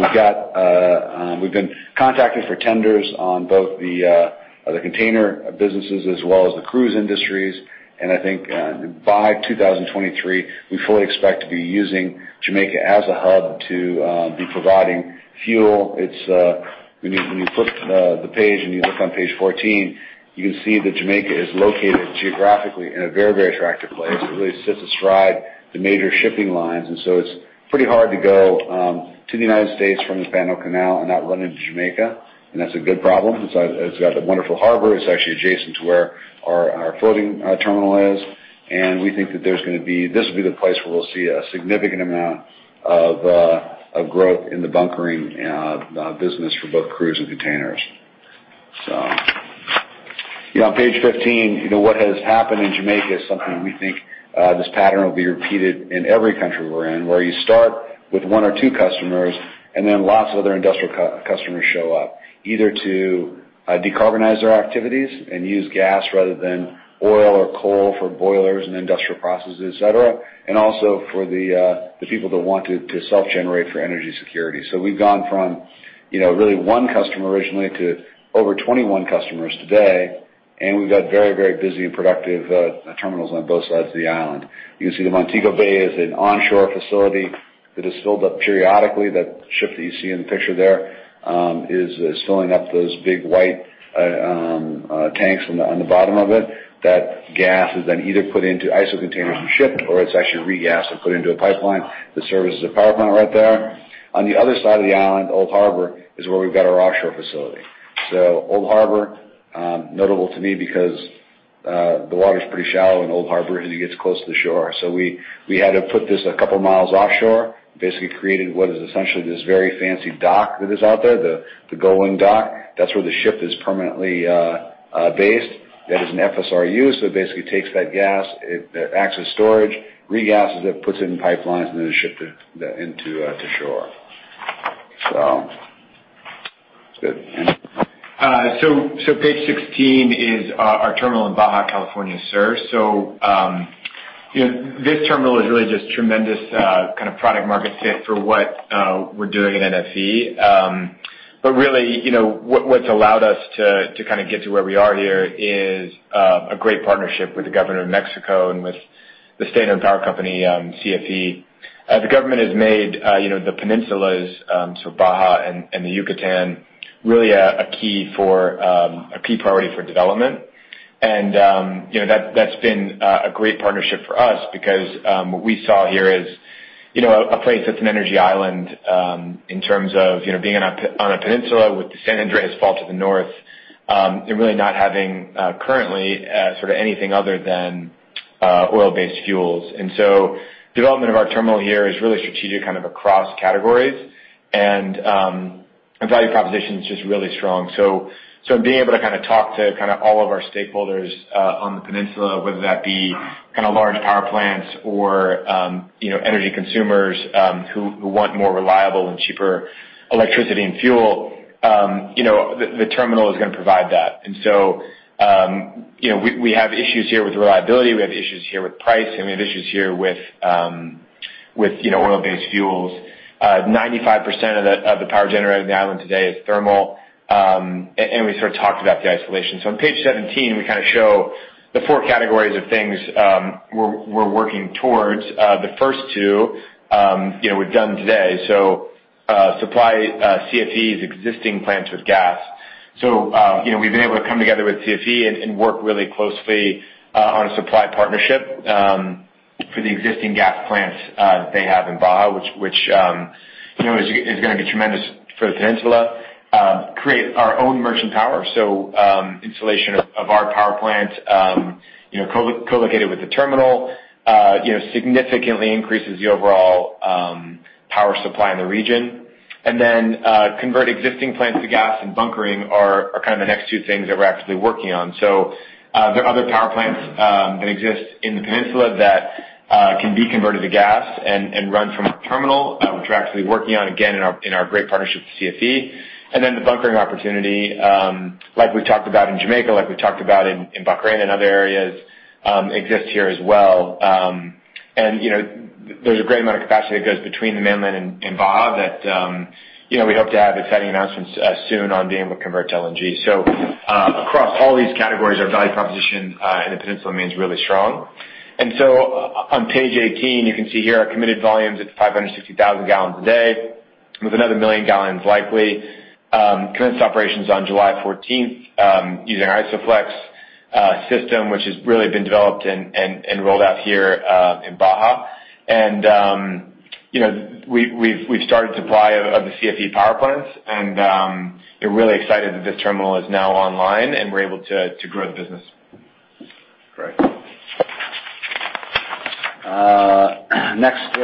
We've been contacted for tenders on both the container businesses as well as the cruise industries, and I think by 2023, we fully expect to be using Jamaica as a hub to be providing fuel. When you flip the page and you look on page 14, you can see that Jamaica is located geographically in a very, very attractive place. It really sets aside the major shipping lines. And so it's pretty hard to go to the United States from the Panama Canal and not run into Jamaica. And that's a good problem. It's got a wonderful harbor. It's actually adjacent to where our floating terminal is. And we think that there's going to be. This will be the place where we'll see a significant amount of growth in the bunkering business for both cruise and containers. So on page 15, what has happened in Jamaica is something we think this pattern will be repeated in every country we're in, where you start with one or two customers, and then lots of other industrial customers show up either to decarbonize their activities and use gas rather than oil or coal for boilers and industrial processes, etc., and also for the people that wanted to self-generate for energy security. So we've gone from really one customer originally to over 21 customers today, and we've got very, very busy and productive terminals on both sides of the island. You can see the Montego Bay is an onshore facility that is filled up periodically. That ship that you see in the picture there is filling up those big white tanks on the bottom of it. That gas is then either put into ISO containers and shipped, or it's actually regassed and put into a pipeline that serves as a power plant right there. On the other side of the island, Old Harbour is where we've got our offshore facility. So Old Harbour, notable to me because the water's pretty shallow in Old Harbour as it gets close to the shore. So we had to put this a couple of miles offshore, basically created what is essentially this very fancy dock that is out there, the Golar dock. That's where the ship is permanently based. That is an FSRU. So it basically takes that gas, acts as storage, regasses it, puts it in pipelines, and then it's shipped into shore. So that's good. And so page 16 is our terminal in Baja California Sur. So this terminal is really just tremendous kind of product-market fit for what we're doing at NFE. But really, what's allowed us to kind of get to where we are here is a great partnership with the government of Mexico and with the state-owned power company, CFE. The government has made the peninsulas, so Baja and the Yucatan, really a key priority for development. And that's been a great partnership for us because what we saw here is a place that's an energy island in terms of being on a peninsula with the San Andreas Fault to the north and really not having currently sort of anything other than oil-based fuels. And so development of our terminal here is really strategic kind of across categories, and value proposition is just really strong. So in being able to kind of talk to kind of all of our stakeholders on the peninsula, whether that be kind of large power plants or energy consumers who want more reliable and cheaper electricity and fuel, the terminal is going to provide that. And so we have issues here with reliability. We have issues here with price, and we have issues here with oil-based fuels. 95% of the power generated on the island today is thermal. And we sort of talked about the isolation. So on page 17, we kind of show the four categories of things we're working towards. The first two we've done today. So supply CFE's existing plants with gas. We've been able to come together with CFE and work really closely on a supply partnership for the existing gas plants that they have in Baja, which is going to be tremendous for the peninsula. Create our own merchant power. Installation of our power plant colocated with the terminal significantly increases the overall power supply in the region. Convert existing plants to gas and bunkering are kind of the next two things that we're actively working on. There are other power plants that exist in the peninsula that can be converted to gas and run from our terminal, which we're actively working on again in our great partnership with CFE. The bunkering opportunity, like we've talked about in Jamaica, like we've talked about in Barcarena and other areas, exists here as well. And there's a great amount of capacity that goes between the mainland and Baja that we hope to have exciting announcements soon on being able to convert to LNG. So across all these categories, our value proposition in the peninsula remains really strong. And so on page 18, you can see here our committed volumes at 560,000 gallons a day, with another million gallons likely. Commenced operations on July 14th using our ISO Flex system, which has really been developed and rolled out here in Baja. And we've started supply of the CFE power plants, and we're really excited that this terminal is now online and we're able to grow the business. Great. Next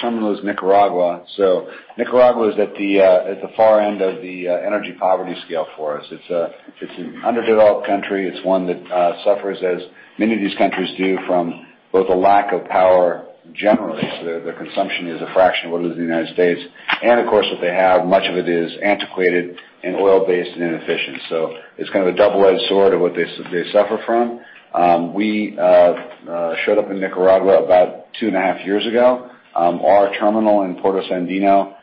terminal is Nicaragua. So Nicaragua is at the far end of the energy poverty scale for us. It's an underdeveloped country. It's one that suffers, as many of these countries do, from both a lack of power generally, so their consumption is a fraction of what it is in the United States, and of course, what they have, much of it is antiquated and oil-based and inefficient, so it's kind of a double-edged sword of what they suffer from. We showed up in Nicaragua about two and a half years ago. Our terminal in Puerto Sandino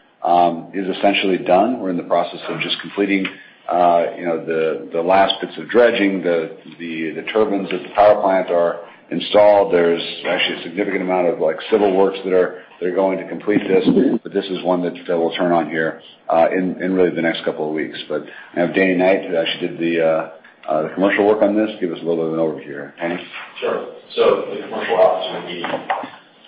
is essentially done. We're in the process of just completing the last bits of dredging. The turbines at the power plant are installed. There's actually a significant amount of civil works that are going to complete this, but this is one that will turn on here in really the next couple of weeks. But I have Danny Knight. She did the commercial work on this. Give us a little bit of an overview here. Thanks. Sure. So the commercial opportunity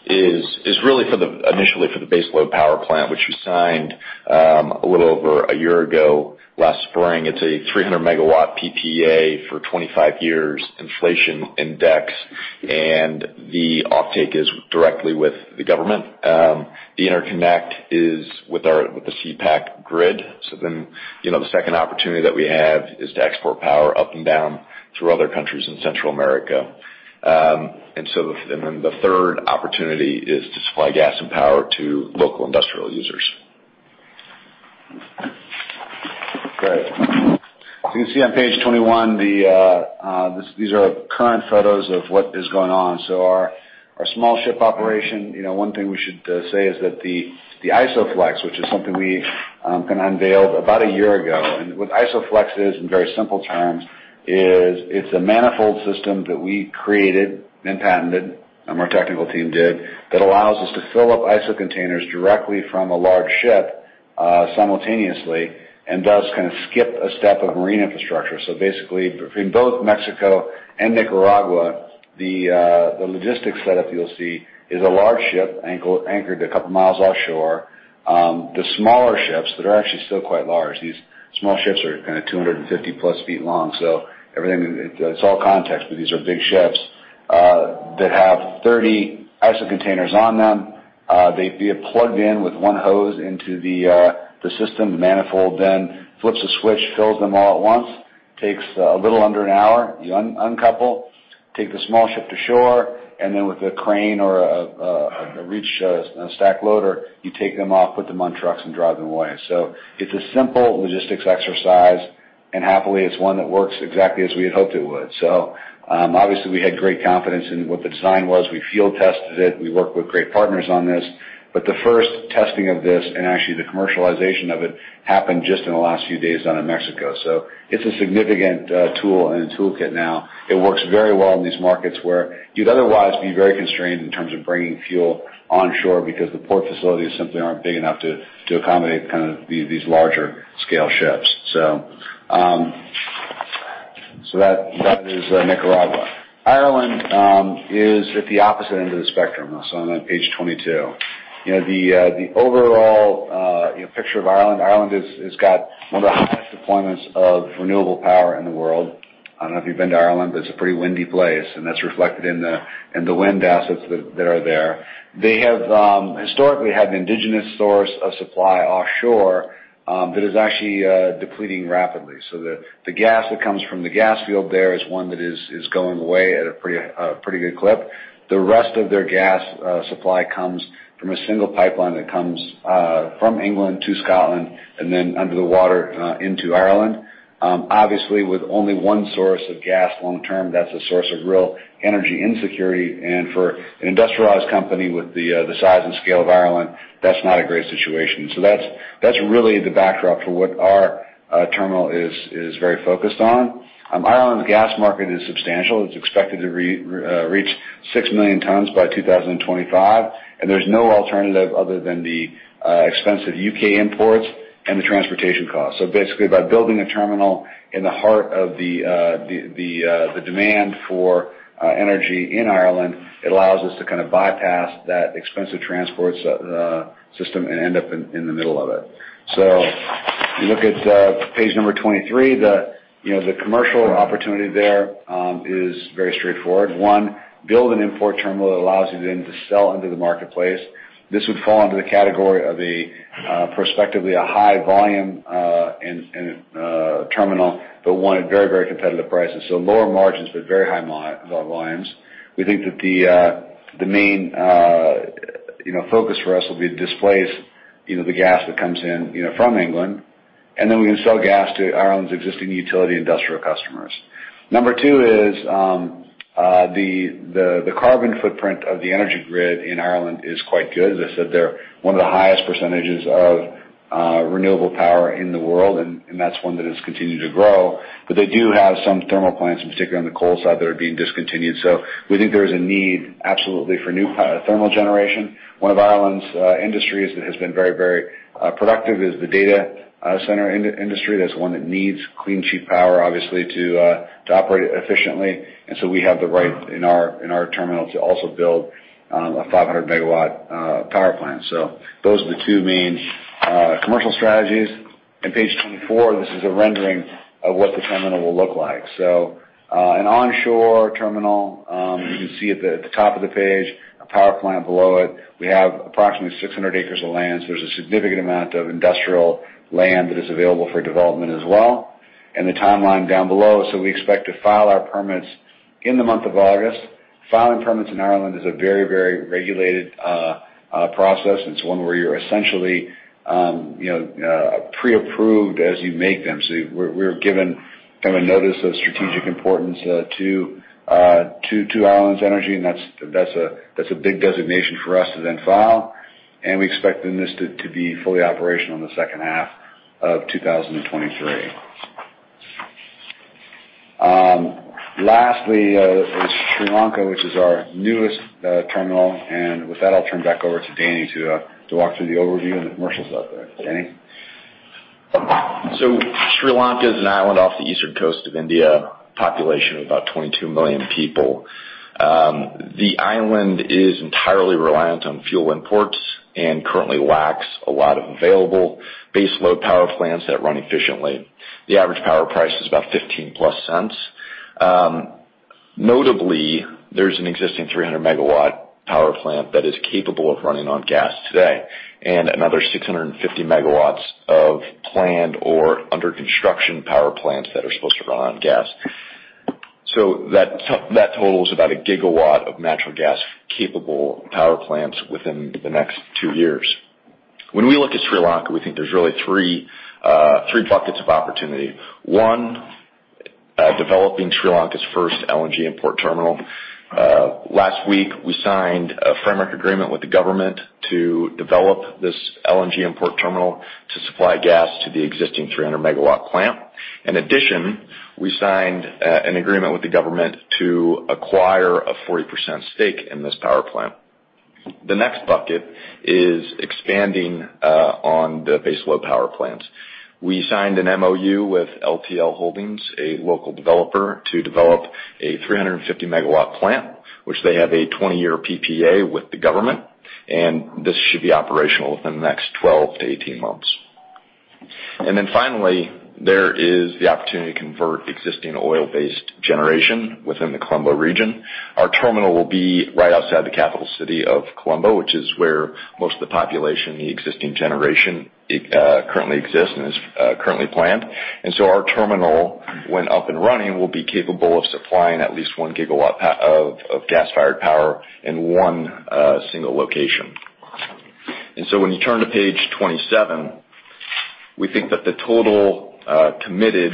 is really initially for the baseload power plant, which we signed a little over a year ago last spring. It's a 300-megawatt PPA for 25 years inflation index, and the offtake is directly with the government. The interconnect is with the SIEPAC grid. So then the second opportunity that we have is to export power up and down through other countries in Central America. And then the third opportunity is to supply gas and power to local industrial users. Great. So you can see on page 21, these are current photos of what is going on. Our small ship operation, one thing we should say is that the ISO Flex, which is something we kind of unveiled about a year ago, and what ISO Flex is in very simple terms is it's a manifold system that we created and patented, and our technical team did, that allows us to fill up ISO containers directly from a large ship simultaneously and does kind of skip a step of marine infrastructure. Basically, between both Mexico and Nicaragua, the logistics setup you'll see is a large ship anchored a couple of miles offshore. The smaller ships that are actually still quite large, these small ships are kind of 250+ feet long. It's all context, but these are big ships that have 30 ISO containers on them. They'd be plugged in with one hose into the system. The manifold then flips a switch, fills them all at once, takes a little under an hour. You uncouple, take the small ship to shore, and then with a crane or a reach stack loader, you take them off, put them on trucks, and drive them away. So it's a simple logistics exercise, and happily, it's one that works exactly as we had hoped it would. So obviously, we had great confidence in what the design was. We field tested it. We worked with great partners on this. But the first testing of this and actually the commercialization of it happened just in the last few days down in Mexico. So it's a significant tool in the toolkit now. It works very well in these markets where you'd otherwise be very constrained in terms of bringing fuel onshore because the port facilities simply aren't big enough to accommodate kind of these larger scale ships. That is Nicaragua. Ireland is at the opposite end of the spectrum. I'm on page 22. The overall picture of Ireland is that Ireland has got one of the highest deployments of renewable power in the world. I don't know if you've been to Ireland, but it's a pretty windy place, and that's reflected in the wind assets that are there. They have historically had an indigenous source of supply offshore that is actually depleting rapidly. The gas that comes from the gas field there is one that is going away at a pretty good clip. The rest of their gas supply comes from a single pipeline that comes from England to Scotland and then under the water into Ireland. Obviously, with only one source of gas long-term, that's a source of real energy insecurity, and for an industrialized company with the size and scale of Ireland, that's not a great situation, so that's really the backdrop for what our terminal is very focused on. Ireland's gas market is substantial. It's expected to reach six million tons by 2025, and there's no alternative other than the expensive U.K. imports and the transportation costs, so basically, by building a terminal in the heart of the demand for energy in Ireland, it allows us to kind of bypass that expensive transport system and end up in the middle of it, so you look at page number 23, the commercial opportunity there is very straightforward. One, build an import terminal that allows you then to sell into the marketplace. This would fall under the category of prospectively a high volume terminal, but one at very, very competitive prices. So lower margins, but very high volumes. We think that the main focus for us will be to displace the gas that comes in from England, and then we can sell gas to Ireland's existing utility industrial customers. Number two is the carbon footprint of the energy grid in Ireland is quite good. As I said, they're one of the highest percentages of renewable power in the world, and that's one that has continued to grow. But they do have some thermal plants, in particular on the coal side, that are being discontinued. So we think there is a need absolutely for new thermal generation. One of Ireland's industries that has been very, very productive is the data center industry. That's one that needs clean, cheap power, obviously, to operate efficiently, and so we have the right in our terminal to also build a 500-megawatt power plant. So those are the two main commercial strategies, and page 24, this is a rendering of what the terminal will look like, so an onshore terminal, you can see at the top of the page, a power plant below it. We have approximately 600 acres of land, so there's a significant amount of industrial land that is available for development as well, and the timeline down below, so we expect to file our permits in the month of August. Filing permits in Ireland is a very, very regulated process. It's one where you're essentially pre-approved as you make them. We’re given kind of a notice of strategic importance to Ireland’s energy, and that’s a big designation for us to then file. We expect this to be fully operational in the second half of 2023. Lastly, Sri Lanka, which is our newest terminal. With that, I’ll turn back over to Danny to walk through the overview and the commercials up there. Danny. Sri Lanka is an island off the eastern coast of India, population of about 22 million people. The island is entirely reliant on fuel imports and currently lacks a lot of available baseload power plants that run efficiently. The average power price is about $0.15+. Notably, there’s an existing 300-megawatt power plant that is capable of running on gas today and another 650 MW of planned or under construction power plants that are supposed to run on gas. That totals about a gigawatt of natural gas-capable power plants within the next two years. When we look at Sri Lanka, we think there's really three buckets of opportunity. One, developing Sri Lanka's first LNG import terminal. Last week, we signed a framework agreement with the government to develop this LNG import terminal to supply gas to the existing 300-megawatt plant. In addition, we signed an agreement with the government to acquire a 40% stake in this power plant. The next bucket is expanding on the baseload power plants. We signed an MOU with LTL Holdings, a local developer, to develop a 350-megawatt plant, which they have a 20-year PPA with the government, and this should be operational within the next 12 to 18 months. And then finally, there is the opportunity to convert existing oil-based generation within the Colombo region. Our terminal will be right outside the capital city of Colombo, which is where most of the population, the existing generation, currently exists and is currently planned, and so our terminal, when up and running, will be capable of supplying at least one gigawatt of gas-fired power in one single location, and so when you turn to page 27, we think that the total committed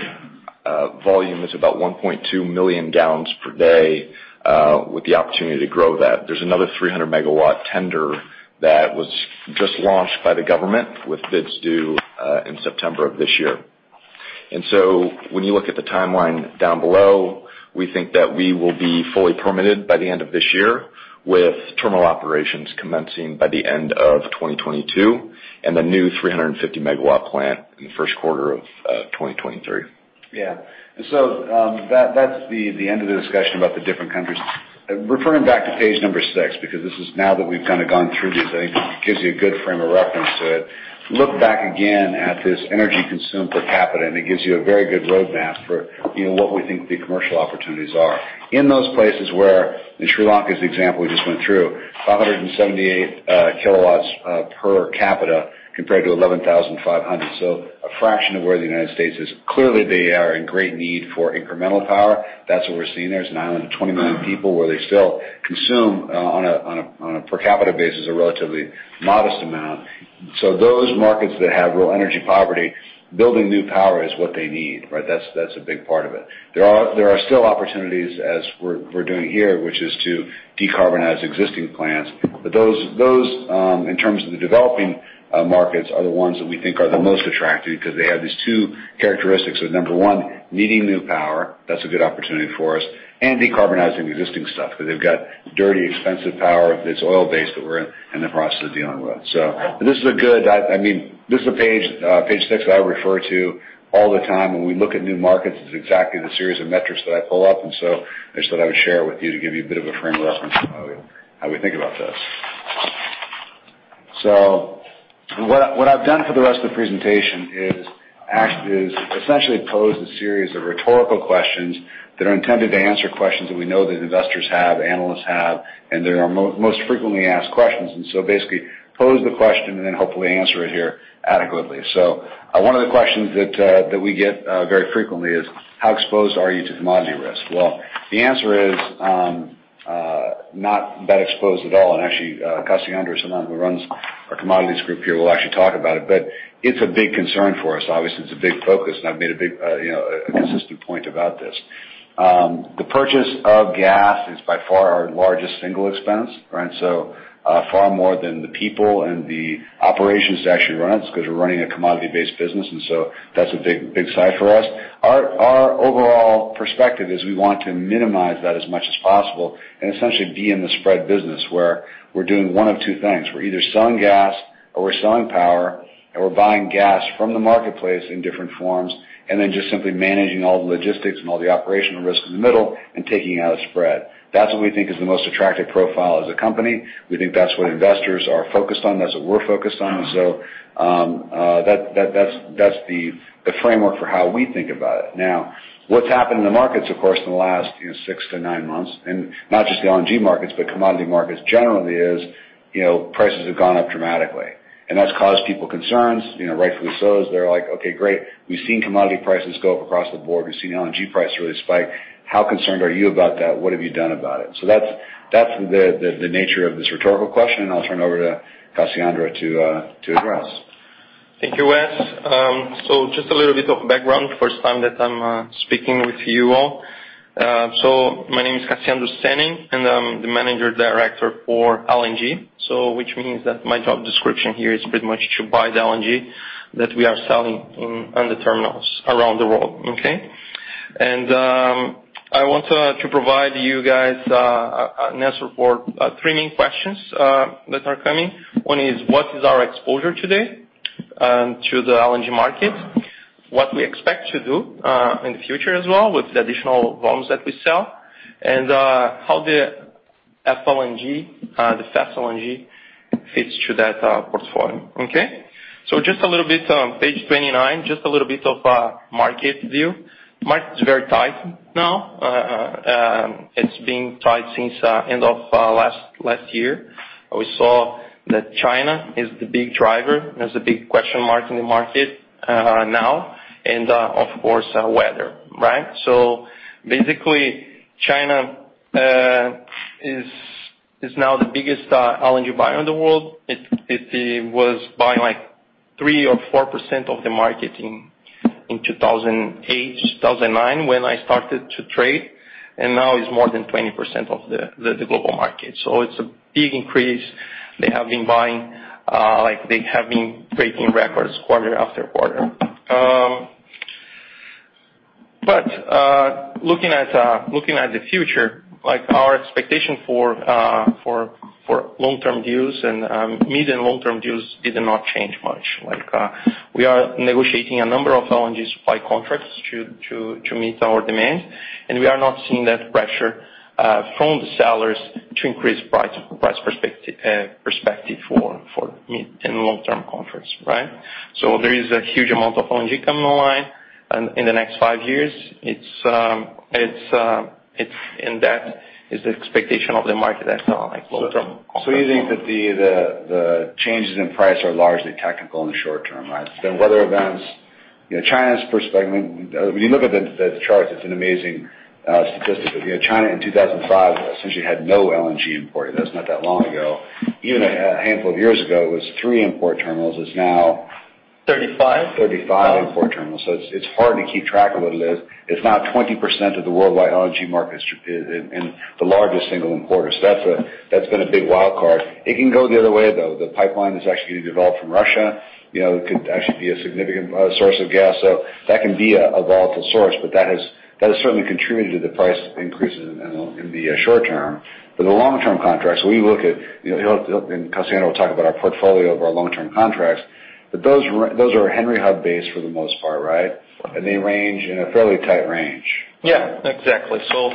volume is about 1.2 million gallons per day with the opportunity to grow that. There's another 300-megawatt tender that was just launched by the government with bids due in September of this year, and so when you look at the timeline down below, we think that we will be fully permitted by the end of this year, with terminal operations commencing by the end of 2022 and the new 350-megawatt plant in the first quarter of 2023. Yeah. And so that's the end of the discussion about the different countries. Referring back to page number 6, because this is now that we've kind of gone through these, I think it gives you a good frame of reference to it. Look back again at this energy consumed per capita, and it gives you a very good roadmap for what we think the commercial opportunities are. In those places where, in Sri Lanka's example we just went through, 578 kilowatts per capita compared to 11,500, so a fraction of where the United States is. Clearly, they are in great need for incremental power. That's what we're seeing there. It's an island of 20 million people where they still consume on a per capita basis a relatively modest amount. So those markets that have real energy poverty, building new power is what they need, right? That's a big part of it. There are still opportunities, as we're doing here, which is to decarbonize existing plants. But those, in terms of the developing markets, are the ones that we think are the most attractive because they have these two characteristics of, number one, needing new power. That's a good opportunity for us. And decarbonizing existing stuff because they've got dirty, expensive power that's oil-based that we're in the process of dealing with. So this is a good, I mean, this is a page, page 6, that I refer to all the time. When we look at new markets, it's exactly the series of metrics that I pull up. And so I just thought I would share it with you to give you a bit of a frame of reference on how we think about this. What I've done for the rest of the presentation is essentially pose a series of rhetorical questions that are intended to answer questions that we know that investors have, analysts have, and they are most frequently asked questions. And so basically, pose the question and then hopefully answer it here adequately. One of the questions that we get very frequently is, "How exposed are you to commodity risk?" Well, the answer is not that exposed at all. And actually, Cassiano, someone who runs our commodities group here, will actually talk about it. But it's a big concern for us. Obviously, it's a big focus, and I've made a consistent point about this. The purchase of gas is by far our largest single expense, right? So far more than the people and the operations to actually run it because we're running a commodity-based business. And so that's a big side for us. Our overall perspective is we want to minimize that as much as possible and essentially be in the spread business where we're doing one of two things. We're either selling gas or we're selling power, and we're buying gas from the marketplace in different forms, and then just simply managing all the logistics and all the operational risk in the middle and taking out a spread. That's what we think is the most attractive profile as a company. We think that's what investors are focused on. That's what we're focused on. And so that's the framework for how we think about it. Now, what's happened in the markets, of course, in the last six to nine months, and not just the LNG markets, but commodity markets generally, is prices have gone up dramatically. And that's caused people concerns, rightfully so. They're like, "Okay, great. We've seen commodity prices go up across the board. We've seen LNG prices really spike. How concerned are you about that? What have you done about it?" So that's the nature of this rhetorical question, and I'll turn it over to Cassiano to address. Thank you, Wes. So just a little bit of background, first time that I'm speaking with you all. So my name is Cassiano Stenning, and I'm the Managing Director for LNG, which means that my job description here is pretty much to buy the LNG that we are selling on the terminals around the world, okay? And I want to provide you guys an overview for three main questions that are coming. One is, what is our exposure today to the LNG market? What we expect to do in the future as well with the additional volumes that we sell? And how the FLNG, the Fast LNG, fits to that portfolio, okay? So just a little bit, page 29, just a little bit of market view. Market is very tight now. It's been tight since the end of last year. We saw that China is the big driver. There's a big question mark in the market now, and of course, weather, right? So basically, China is now the biggest LNG buyer in the world. It was buying like 3 or 4% of the market in 2008, 2009 when I started to trade, and now it's more than 20% of the global market. So it's a big increase. They have been buying. They have been breaking records quarter after quarter. But looking at the future, our expectation for long-term deals and medium-long-term deals did not change much. We are negotiating a number of LNG supply contracts to meet our demand, and we are not seeing that pressure from the sellers to increase price perspective for medium and long-term contracts, right? So there is a huge amount of LNG coming online in the next five years. And that is the expectation of the market at long-term contracts. So you think that the changes in price are largely technical in the short term, right? It's been weather events. China's perspective, when you look at the charts, it's an amazing statistic. China in 2005 essentially had no LNG imported. That was not that long ago. Even a handful of years ago, it was three import terminals. It's now 35. 35 import terminals. So it's hard to keep track of what it is. It's now 20% of the worldwide LNG market and the largest single importer. So that's been a big wildcard. It can go the other way, though. The pipeline is actually being developed from Russia. It could actually be a significant source of gas. So that can be a volatile source, but that has certainly contributed to the price increases in the short term. But the long-term contracts, we look at—and Cassiano will talk about our portfolio of our long-term contracts—but those are Henry Hub-based for the most part, right? And they range in a fairly tight range. Yeah, exactly. So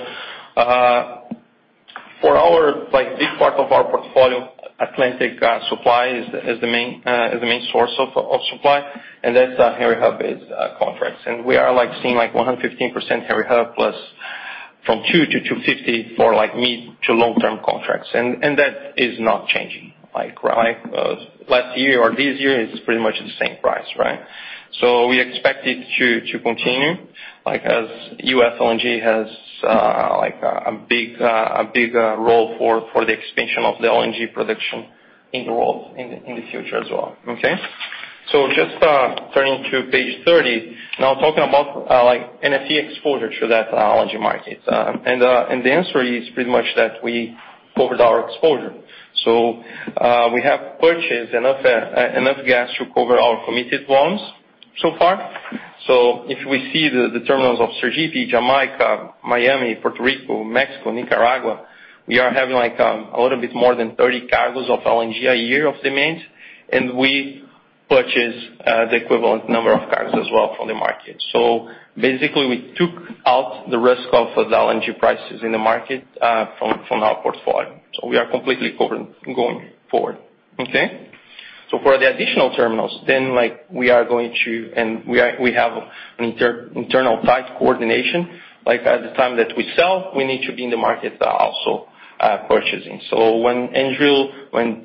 for a big part of our portfolio, Atlantic Supply is the main source of supply, and that's Henry Hub-based contracts. And we are seeing like 115% Henry Hub plus from 2-250 for medium to long-term contracts. And that is not changing, right? Last year or this year, it's pretty much the same price, right? So we expect it to continue as U.S. LNG has a big role for the expansion of the LNG production in the world in the future as well, okay? So just turning to page 30, now talking about NFE exposure to that LNG market. And the answer is pretty much that we covered our exposure. So we have purchased enough gas to cover our committed volumes so far. So if we see the terminals of Sergipe, Jamaica, Miami, Puerto Rico, Mexico, Nicaragua, we are having a little bit more than 30 cargoes of LNG a year of demand, and we purchase the equivalent number of cargoes as well from the market. So basically, we took out the risk of the LNG prices in the market from our portfolio. So we are completely covered going forward, okay? So for the additional terminals, then we are going to, and we have an internal tight coordination. At the time that we sell, we need to be in the market also purchasing. So when Andrew, when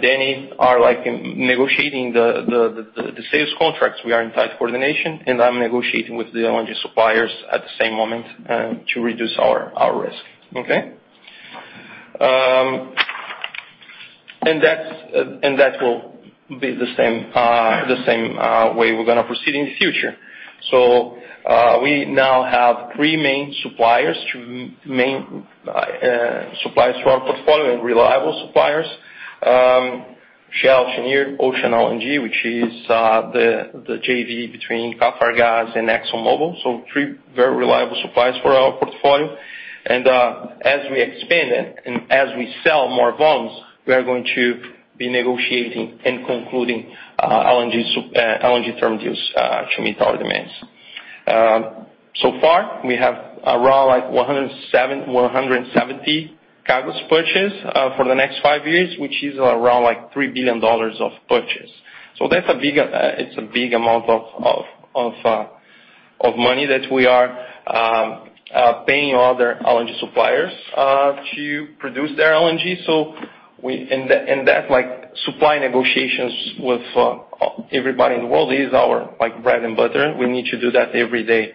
Danny are negotiating the sales contracts, we are in tight coordination, and I'm negotiating with the LNG suppliers at the same moment to reduce our risk, okay? That will be the same way we're going to proceed in the future. We now have three main suppliers to our portfolio and reliable suppliers: Shell, Cheniere, Ocean LNG, which is the JV between QatarGas and ExxonMobil. Three very reliable suppliers for our portfolio. As we expand and as we sell more volumes, we are going to be negotiating and concluding LNG term deals to meet our demands. So far, we have around 170 cargoes purchased for the next five years, which is around $3 billion of purchase. So it's a big amount of money that we are paying other LNG suppliers to produce their LNG. And that supply negotiations with everybody in the world is our bread and butter. We need to do that every day.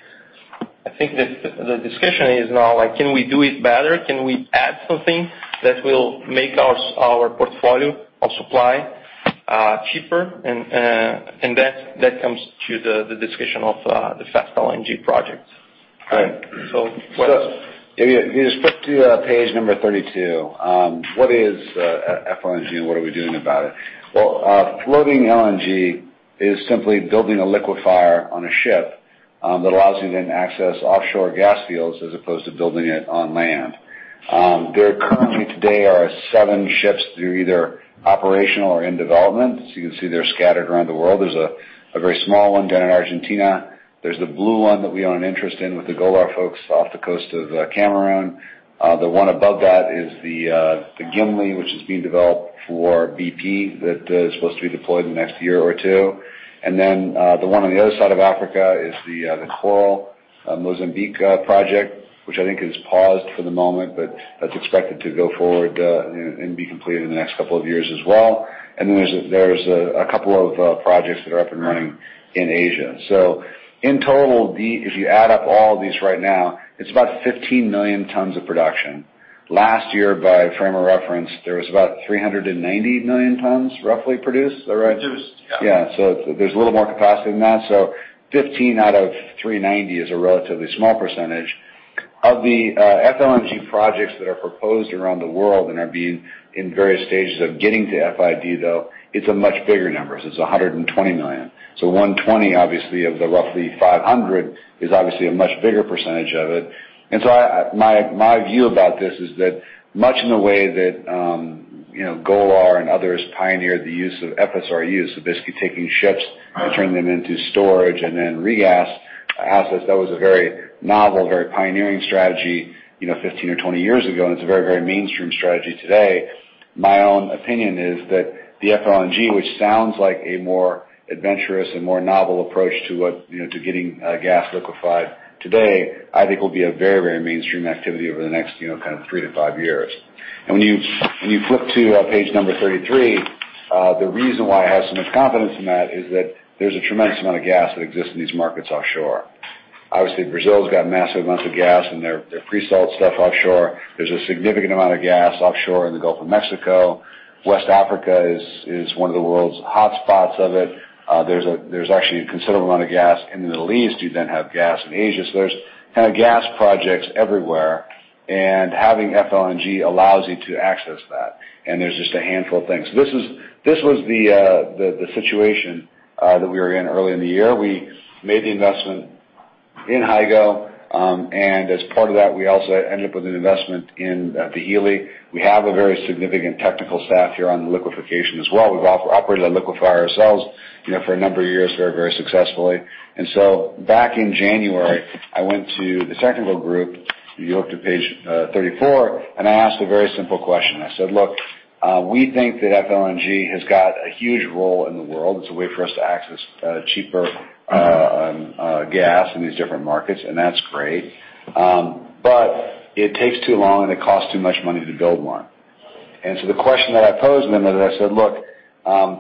I think the discussion is now, can we do it better? Can we add something that will make our portfolio of supply cheaper? And that comes to the discussion of the Fast LNG project. So Wes, if you just flip to page number 32, what is FLNG, and what are we doing about it? Well, floating LNG is simply building a liquefier on a ship that allows you to then access offshore gas fields as opposed to building it on land. There currently today are seven ships that are either operational or in development. So you can see they're scattered around the world. There's a very small one down in Argentina. There's the blue one that we own an interest in with the Golar folks off the coast of Cameroon. The one above that is the Gimi, which is being developed for BP that is supposed to be deployed in the next year or two. And then the one on the other side of Africa is the Coral Mozambique project, which I think is paused for the moment, but that's expected to go forward and be completed in the next couple of years as well. And then there's a couple of projects that are up and running in Asia. So in total, if you add up all of these right now, it's about 15 million tons of production. Last year, by frame of reference, there was about 390 million tons roughly produced, is that right? Yeah. So there's a little more capacity than that. So 15 out of 390 is a relatively small percentage. Of the FLNG projects that are proposed around the world and are being in various stages of getting to FID, though, it's a much bigger number. So it's 120 million. So 120, obviously, of the roughly 500 is obviously a much bigger percentage of it. And so my view about this is that much in the way that Golar and others pioneered the use of FSRUs, so basically taking ships and turning them into storage and then regas assets, that was a very novel, very pioneering strategy 15 or 20 years ago, and it's a very, very mainstream strategy today. My own opinion is that the FLNG, which sounds like a more adventurous and more novel approach to getting gas liquefied today, I think will be a very, very mainstream activity over the next kind of three to five years, and when you flip to page number 33, the reason why I have so much confidence in that is that there's a tremendous amount of gas that exists in these markets offshore. Obviously, Brazil's got massive amounts of gas in their pre-salt stuff offshore. There's a significant amount of gas offshore in the Gulf of Mexico. West Africa is one of the world's hotspots of it. There's actually a considerable amount of gas in the Middle East. You then have gas in Asia. So there's kind of gas projects everywhere, and having FLNG allows you to access that, and there's just a handful of things. This was the situation that we were in early in the year. We made the investment in Hygo, and as part of that, we also ended up with an investment in the Hilli. We have a very significant technical staff here on the liquefaction as well. We've operated a liquefier ourselves for a number of years, very, very successfully, and so back in January, I went to the technical group. You looked at page 34, and I asked a very simple question. I said, "Look, we think that FLNG has got a huge role in the world. It's a way for us to access cheaper gas in these different markets, and that's great. But it takes too long, and it costs too much money to build one," and so the question that I posed to them is, I said, "Look,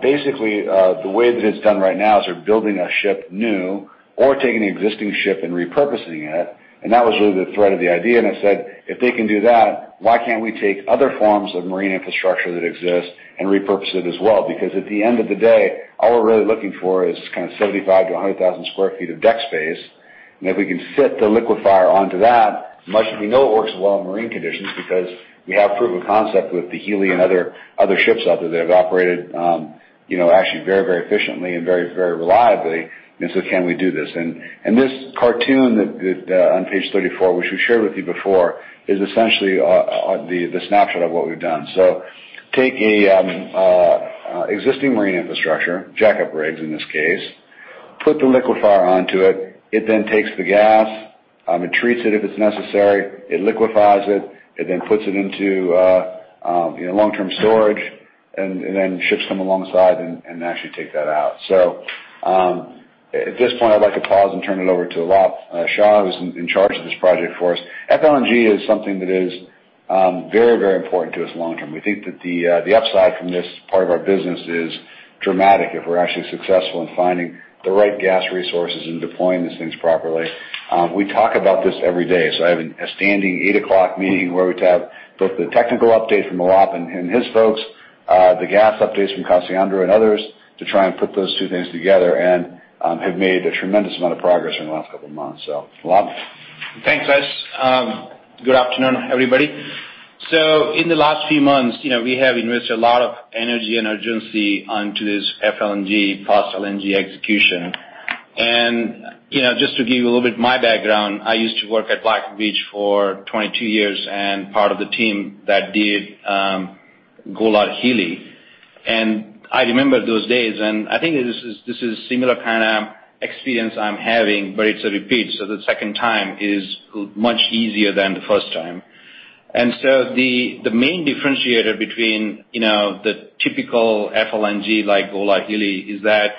basically, the way that it's done right now is they're building a ship new or taking an existing ship and repurposing it," and that was really the thread of the idea, and I said, "If they can do that, why can't we take other forms of marine infrastructure that exist and repurpose it as well? Because at the end of the day, all we're really looking for is kind of 75-100,000 sq ft of deck space, and if we can fit the liquefier onto that, much as we know it works well in marine conditions because we have proof of concept with the Hilli and other ships out there that have operated actually very, very efficiently and very, very reliably. And so can we do this?" This cartoon on page 34, which we shared with you before, is essentially the snapshot of what we've done. Take an existing marine infrastructure, jack-up rigs in this case, put the liquefier onto it. It then takes the gas. It treats it if it's necessary. It liquefies it. It then puts it into long-term storage, and then ships come alongside and actually take that out. At this point, I'd like to pause and turn it over to Alok Shah, who's in charge of this project for us. FLNG is something that is very, very important to us long-term. We think that the upside from this part of our business is dramatic if we're actually successful in finding the right gas resources and deploying these things properly. We talk about this every day. I have a standing 8:00 A.M. meeting where we have both the technical update from Alok and his folks, the gas updates from Cassiano and others to try and put those two things together and have made a tremendous amount of progress in the last couple of months. Alok. Thanks, Wes. Good afternoon, everybody. In the last few months, we have invested a lot of energy and urgency onto this FLNG, Fast LNG execution. And just to give you a little bit of my background, I used to work at Black & Veatch for 22 years and part of the team that did Golar Hilli. And I remember those days, and I think this is a similar kind of experience I'm having, but it's a repeat. The second time is much easier than the first time. And so the main differentiator between the typical FLNG like Golar Hilli is that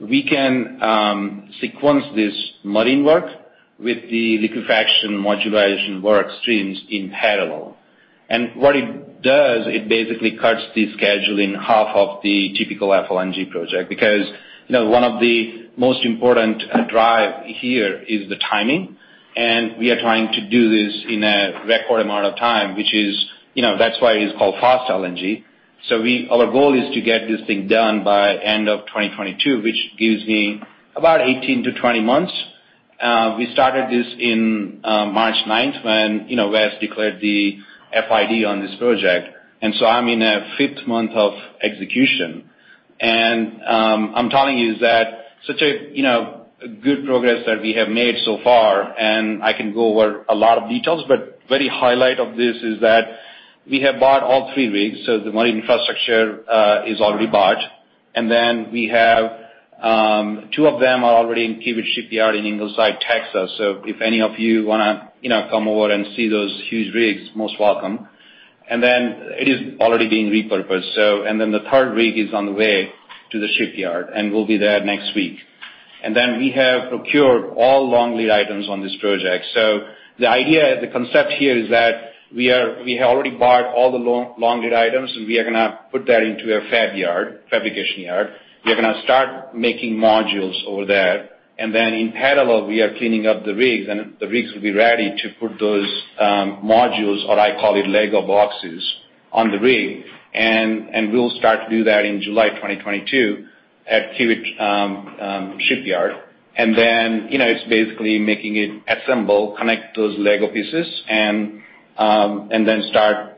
we can sequence this marine work with the liquefaction modularization work streams in parallel. And what it does, it basically cuts the schedule in half of the typical FLNG project because one of the most important drives here is the timing. And we are trying to do this in a record amount of time, which is why it is called Fast LNG. So our goal is to get this thing done by end of 2022, which gives me about 18-20 months. We started this in March 9th when Wes declared the FID on this project. And so I'm in a fifth month of execution. I'm telling you that such a good progress that we have made so far, and I can go over a lot of details, but the very highlight of this is that we have bought all three rigs. The marine infrastructure is already bought. Then we have two of them are already in Kiewit Shipyard in Ingleside, Texas. If any of you want to come over and see those huge rigs, most welcome. Then it is already being repurposed. The third rig is on the way to the shipyard, and we'll be there next week. Then we have procured all long lead items on this project. The idea, the concept here is that we have already bought all the long lead items, and we are going to put that into a fab yard, fabrication yard. We are going to start making modules over there, and then in parallel, we are cleaning up the rigs, and the rigs will be ready to put those modules, or I call it Lego boxes, on the rig, and we'll start to do that in July 2022 at Kiewit Shipyard, and then it's basically making it assemble, connect those Lego pieces, and then start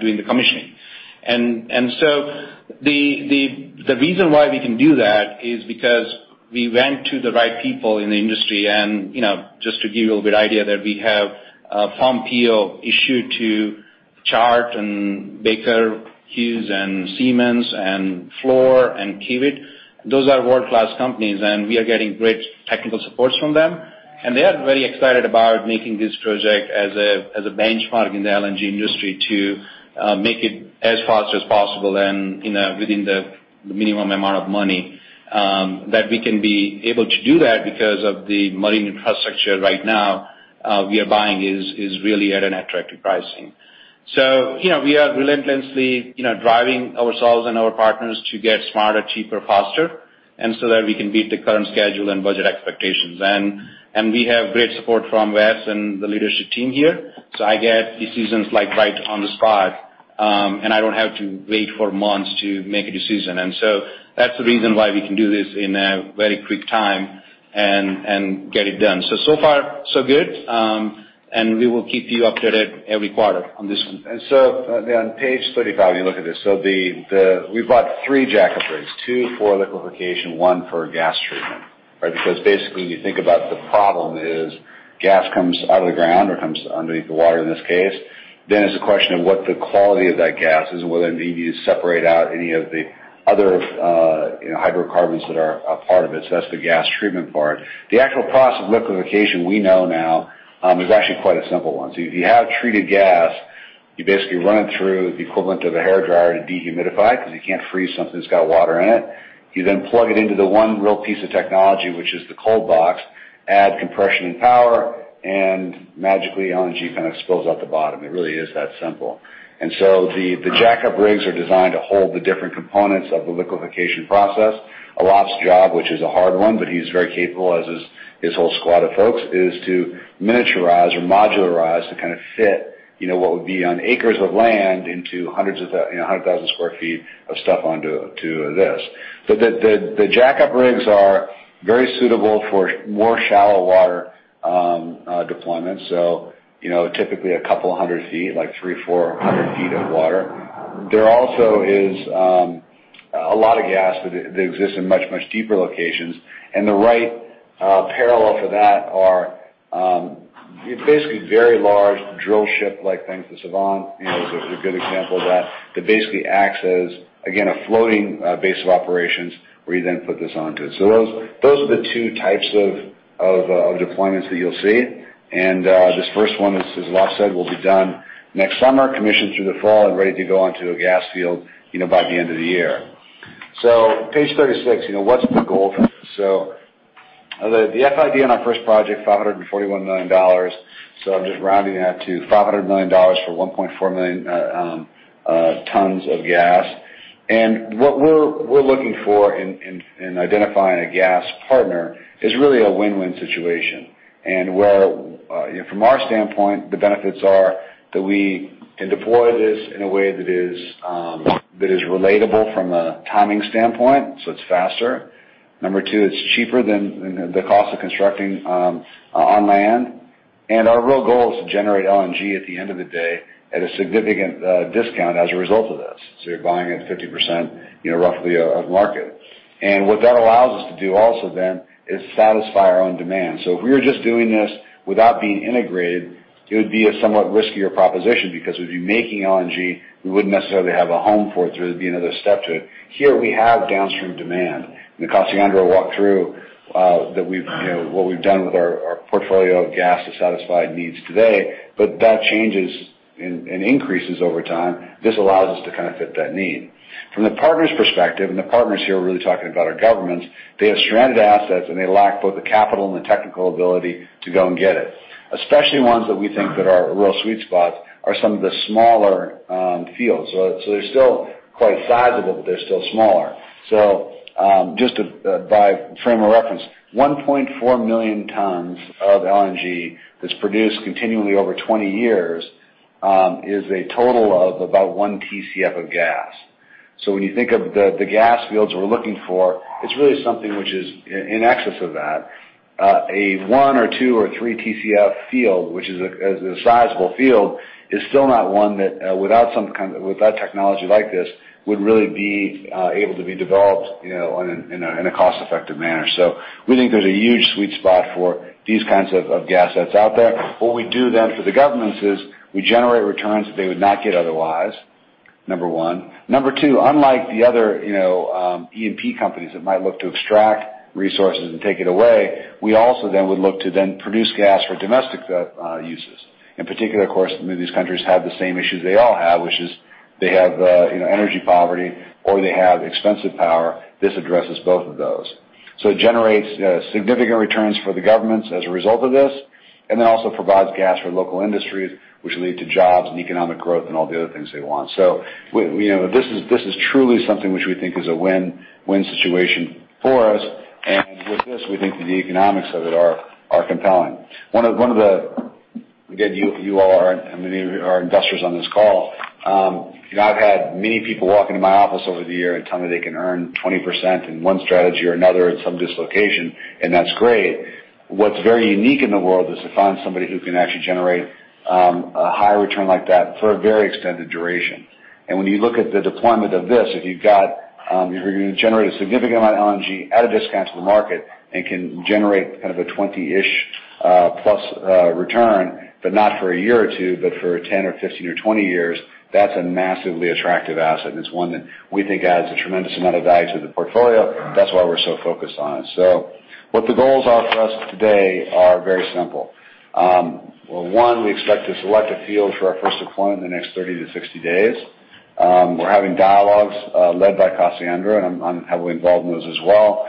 doing the commissioning, and so the reason why we can do that is because we went to the right people in the industry, and just to give you a little bit of idea that we have a firm PO issued to Chart and Baker Hughes and Siemens and Fluor and Kiewit. Those are world-class companies, and we are getting great technical supports from them. And they are very excited about making this project as a benchmark in the LNG industry to make it as fast as possible and within the minimum amount of money that we can be able to do that because the marine infrastructure right now we are buying is really at an attractive pricing. So we are relentlessly driving ourselves and our partners to get smarter, cheaper, faster, and so that we can beat the current schedule and budget expectations. And we have great support from Wes and the leadership team here. So I get decisions right on the spot, and I don't have to wait for months to make a decision. And so that's the reason why we can do this in a very quick time and get it done. So, so far, so good. And we will keep you updated every quarter on this one. On page 35, you look at this. We've bought three jack-up rigs, two for liquefaction, one for gas treatment, right? Because basically, when you think about the problem is gas comes out of the ground or comes underneath the water in this case, then it's a question of what the quality of that gas is and whether you need to separate out any of the other hydrocarbons that are a part of it. That's the gas treatment part. The actual process of liquefaction we know now is actually quite a simple one. If you have treated gas, you basically run it through the equivalent of a hairdryer to dehumidify because you can't freeze something that's got water in it. You then plug it into the one real piece of technology, which is the cold box, add compression and power, and magically, LNG kind of spills out the bottom. It really is that simple. And so the jack-up rigs are designed to hold the different components of the liquefaction process. Alok's job, which is a hard one, but he's very capable as his whole squad of folks, is to miniaturize or modularize to kind of fit what would be on acres of land into hundreds of thousands of sq ft of stuff onto this. So the jack-up rigs are very suitable for more shallow water deployments. So typically a couple of hundred feet, like 300, 400 feet of water. There also is a lot of gas that exists in much, much deeper locations. And the right parallel for that are basically very large drill ship-like things. The Sevan is a good example of that. They basically act as, again, a floating base of operations where you then put this onto it, so those are the two types of deployments that you'll see. This first one, as Alok said, will be done next summer, commissioned through the fall, and ready to go onto a gas field by the end of the year. Page 36. What's the goal for this? The FID on our first project, $541 million. I'm just rounding that to $500 million for 1.4 million tons of gas. What we're looking for in identifying a gas partner is really a win-win situation. From our standpoint, the benefits are that we can deploy this in a way that is relatable from a timing standpoint, so it's faster. Number two, it's cheaper than the cost of constructing on land. Our real goal is to generate LNG at the end of the day at a significant discount as a result of this. So you're buying at 50%, roughly, of market. And what that allows us to do also then is satisfy our own demand. So if we were just doing this without being integrated, it would be a somewhat riskier proposition because we'd be making LNG. We wouldn't necessarily have a home for it, so there'd be another step to it. Here, we have downstream demand. The scenario walkthrough that we've done with our portfolio of gas to satisfy needs today, but that changes and increases over time. This allows us to kind of fit that need. From the partner's perspective, and the partners here are really talking about our governments, they have stranded assets, and they lack both the capital and the technical ability to go and get it, especially ones that we think that are real sweet spots are some of the smaller fields. So they're still quite sizable, but they're still smaller. So just to frame a reference, 1.4 million tons of LNG that's produced continually over 20 years is a total of about one TCF of gas. So when you think of the gas fields we're looking for, it's really something which is in excess of that. A one, or two, or three TCF field, which is a sizable field, is still not one that, without some kind of technology like this, would really be able to be developed in a cost-effective manner. So we think there's a huge sweet spot for these kinds of gas assets out there. What we do then for the governments is we generate returns that they would not get otherwise, number one. Number two, unlike the other E&P companies that might look to extract resources and take it away, we also then would look to then produce gas for domestic uses. In particular, of course, many of these countries have the same issues they all have, which is they have energy poverty or they have expensive power. This addresses both of those. So it generates significant returns for the governments as a result of this and then also provides gas for local industries, which lead to jobs and economic growth and all the other things they want. So this is truly something which we think is a win-win situation for us. With this, we think that the economics of it are compelling. One of the, again, you all are many of our investors on this call. I've had many people walk into my office over the year and tell me they can earn 20% in one strategy or another at some dislocation, and that's great. What's very unique in the world is to find somebody who can actually generate a high return like that for a very extended duration. And when you look at the deployment of this, if you're going to generate a significant amount of LNG at a discount to the market and can generate kind of a 20-ish plus return, but not for a year or two, but for 10, or 15, or 20 years, that's a massively attractive asset. It's one that we think adds a tremendous amount of value to the portfolio. That's why we're so focused on it. What the goals are for us today are very simple. One, we expect to select a field for our first deployment in the next 30-60 days. We're having dialogues led by Cassiano, and I'm heavily involved in those as well,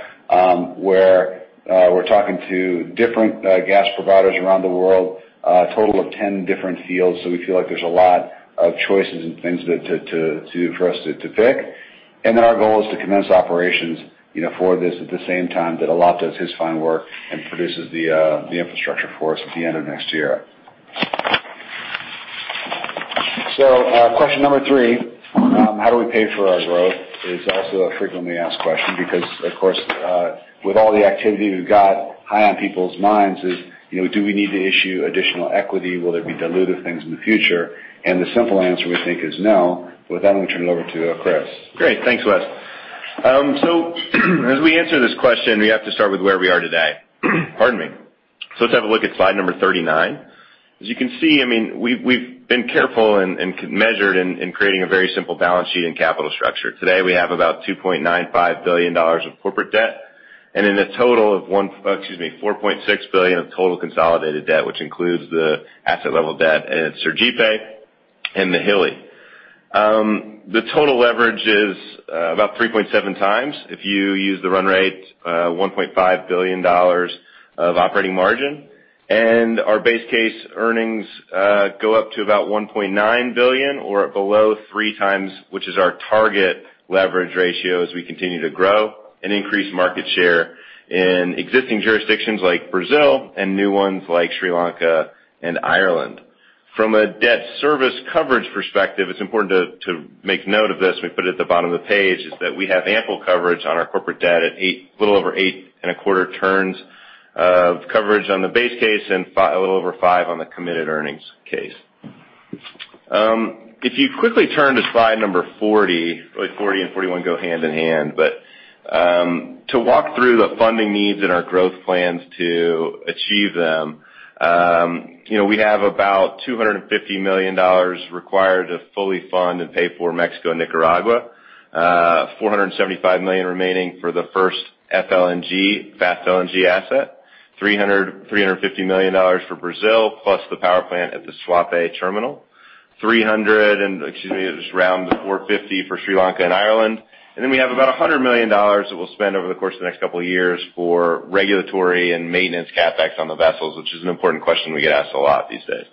where we're talking to different gas providers around the world, a total of 10 different fields. We feel like there's a lot of choices and things for us to pick. Our goal is to commence operations for this at the same time that Alok does his fine work and produces the infrastructure for us at the end of next year. So question number three, how do we pay for our growth, is also a frequently asked question because, of course, with all the activity we've got, high on people's minds is, do we need to issue additional equity? Will there be diluted things in the future? And the simple answer, we think, is no. With that, I'm going to turn it over to Chris. Great. Thanks, Wes. So as we answer this question, we have to start with where we are today. Pardon me. So let's have a look at slide number 39. As you can see, I mean, we've been careful and measured in creating a very simple balance sheet and capital structure. Today, we have about $2.95 billion of corporate debt and in a total of, excuse me, $4.6 billion of total consolidated debt, which includes the asset-level debt at Sergipe and the Hilli. The total leverage is about 3.7x if you use the run rate, $1.5 billion of operating margin, and our base case earnings go up to about $1.9 billion or below three times, which is our target leverage ratio as we continue to grow and increase market share in existing jurisdictions like Brazil and new ones like Sri Lanka and Ireland. From a debt service coverage perspective, it's important to make note of this. We put it at the bottom of the page, is that we have ample coverage on our corporate debt at a little over eight and a quarter turns of coverage on the base case and a little over five on the committed earnings case. If you quickly turn to slide number 40, 40 and 41 go hand in hand, but to walk through the funding needs and our growth plans to achieve them, we have about $250 million required to fully fund and pay for Mexico and Nicaragua, $475 million remaining for the first FLNG, Fast LNG asset, $350 million for Brazil, plus the power plant at the Suape terminal, $300, excuse me, it was rounded to $450 for Sri Lanka and Ireland. And then we have about $100 million that we'll spend over the course of the next couple of years for regulatory and maintenance CapEx on the vessels, which is an important question we get asked a lot these days,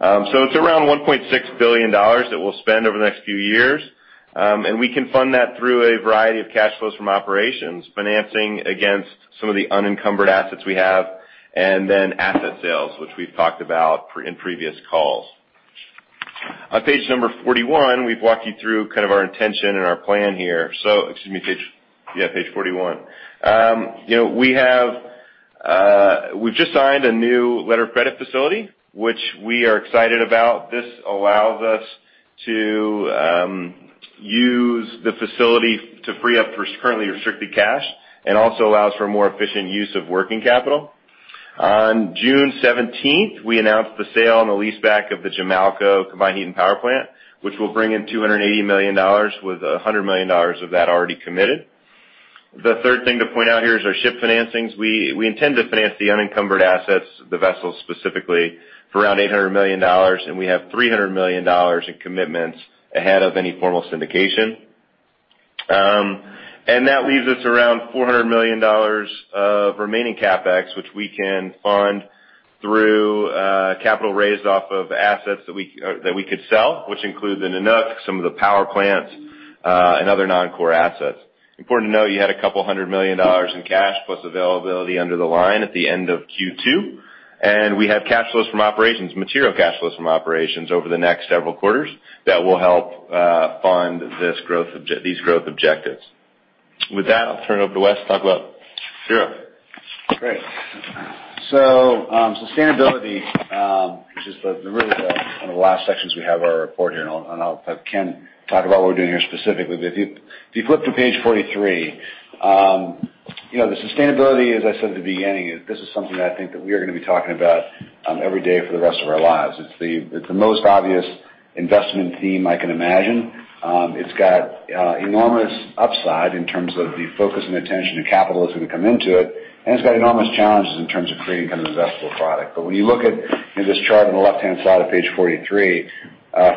so it's around $1.6 billion that we'll spend over the next few years. And we can fund that through a variety of cash flows from operations, financing against some of the unencumbered assets we have, and then asset sales, which we've talked about in previous calls. On page number 41, we've walked you through kind of our intention and our plan here. So, excuse me, page, yeah, page 41. We've just signed a new letter of credit facility, which we are excited about. This allows us to use the facility to free up currently restricted cash and also allows for more efficient use of working capital. On June 17th, we announced the sale and the leaseback of the Jamaica Combined Heat and Power Plant, which will bring in $280 million with $100 million of that already committed. The third thing to point out here is our ship financings. We intend to finance the unencumbered assets, the vessels specifically, for around $800 million, and we have $300 million in commitments ahead of any formal syndication. And that leaves us around $400 million of remaining CapEx, which we can fund through capital raised off of assets that we could sell, which include the Nanook, some of the power plants, and other non-core assets. Important to note, you had $200 million in cash plus availability under the line at the end of Q2. And we have cash flows from operations, material cash flows from operations over the next several quarters that will help fund these growth objectives. With that, I'll turn it over to Wes to talk about Europe. Great. So sustainability is just really one of the last sections we have of our report here. And I'll have Ken talk about what we're doing here specifically. But if you flip to page 43, the sustainability, as I said at the beginning, this is something that I think that we are going to be talking about every day for the rest of our lives. It's the most obvious investment theme I can imagine. It's got enormous upside in terms of the focus and attention and capital that's going to come into it. And it's got enormous challenges in terms of creating kind of an investable product. But when you look at this chart on the left-hand side of page 43,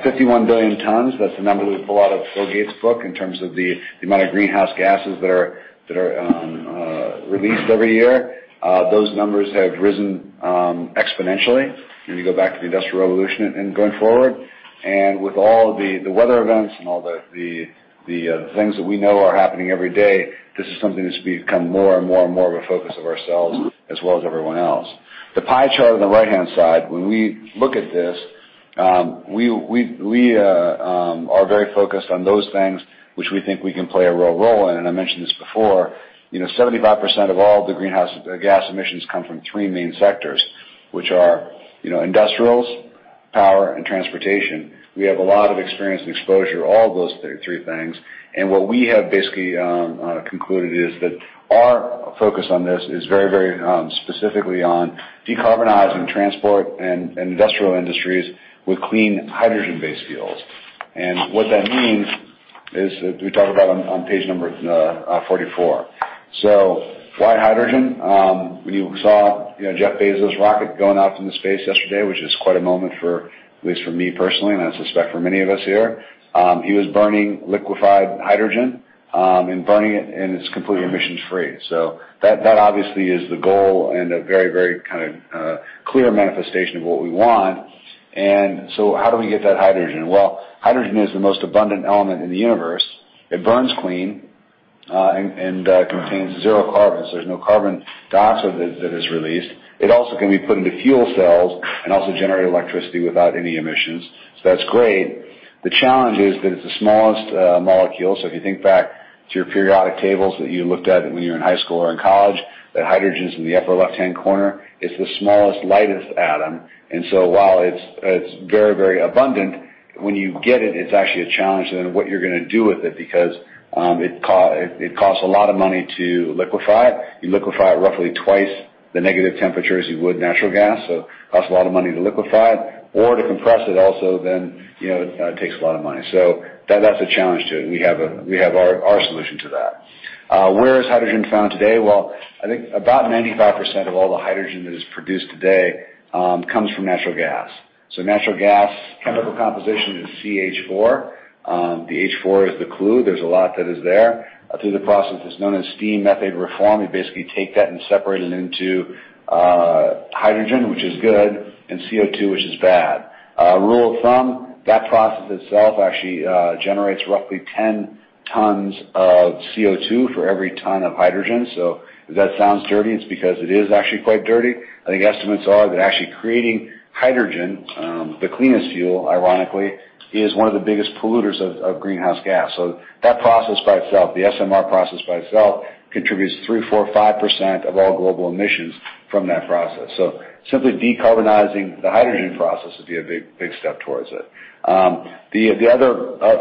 51 billion tons, that's the number that we pull out of Bill Gates' book in terms of the amount of greenhouse gases that are released every year. Those numbers have risen exponentially when you go back to the Industrial Revolution and going forward. With all the weather events and all the things that we know are happening every day, this is something that's become more and more and more of a focus of ourselves as well as everyone else. The pie chart on the right-hand side, when we look at this, we are very focused on those things which we think we can play a real role in. I mentioned this before, 75% of all the greenhouse gas emissions come from three main sectors, which are industrials, power, and transportation. We have a lot of experience and exposure to all those three things. What we have basically concluded is that our focus on this is very, very specifically on decarbonizing transport and industrial industries with clean hydrogen-based fuels. What that means is that we talk about on page number 44. So why hydrogen? When you saw Jeff Bezos' rocket going out into space yesterday, which is quite a moment for, at least for me personally, and I suspect for many of us here, he was burning liquefied hydrogen and burning it, and it's completely emissions-free. So that obviously is the goal and a very, very kind of clear manifestation of what we want. And so how do we get that hydrogen? Well, hydrogen is the most abundant element in the universe. It burns clean and contains zero carbon. So there's no carbon dioxide that is released. It also can be put into fuel cells and also generate electricity without any emissions. So that's great. The challenge is that it's the smallest molecule. So if you think back to your periodic tables that you looked at when you were in high school or in college, that hydrogen is in the upper left-hand corner. It's the smallest, lightest atom. And so while it's very, very abundant, when you get it, it's actually a challenge then what you're going to do with it because it costs a lot of money to liquefy it. You liquefy it roughly twice the negative temperatures you would natural gas. So it costs a lot of money to liquefy it. Or to compress it also then takes a lot of money. So that's a challenge too. We have our solution to that. Where is hydrogen found today? Well, I think about 95% of all the hydrogen that is produced today comes from natural gas. So natural gas chemical composition is CH4. The H4 is the clue. There's a lot that is there. Through the process that's known as steam methane reforming, we basically take that and separate it into hydrogen, which is good, and CO2, which is bad. Rule of thumb, that process itself actually generates roughly 10 tons of CO2 for every ton of hydrogen. So if that sounds dirty, it's because it is actually quite dirty. I think estimates are that actually creating hydrogen, the cleanest fuel, ironically, is one of the biggest polluters of greenhouse gas. So that process by itself, the SMR process by itself, contributes 3%-5% of all global emissions from that process. So simply decarbonizing the hydrogen process would be a big step towards it. The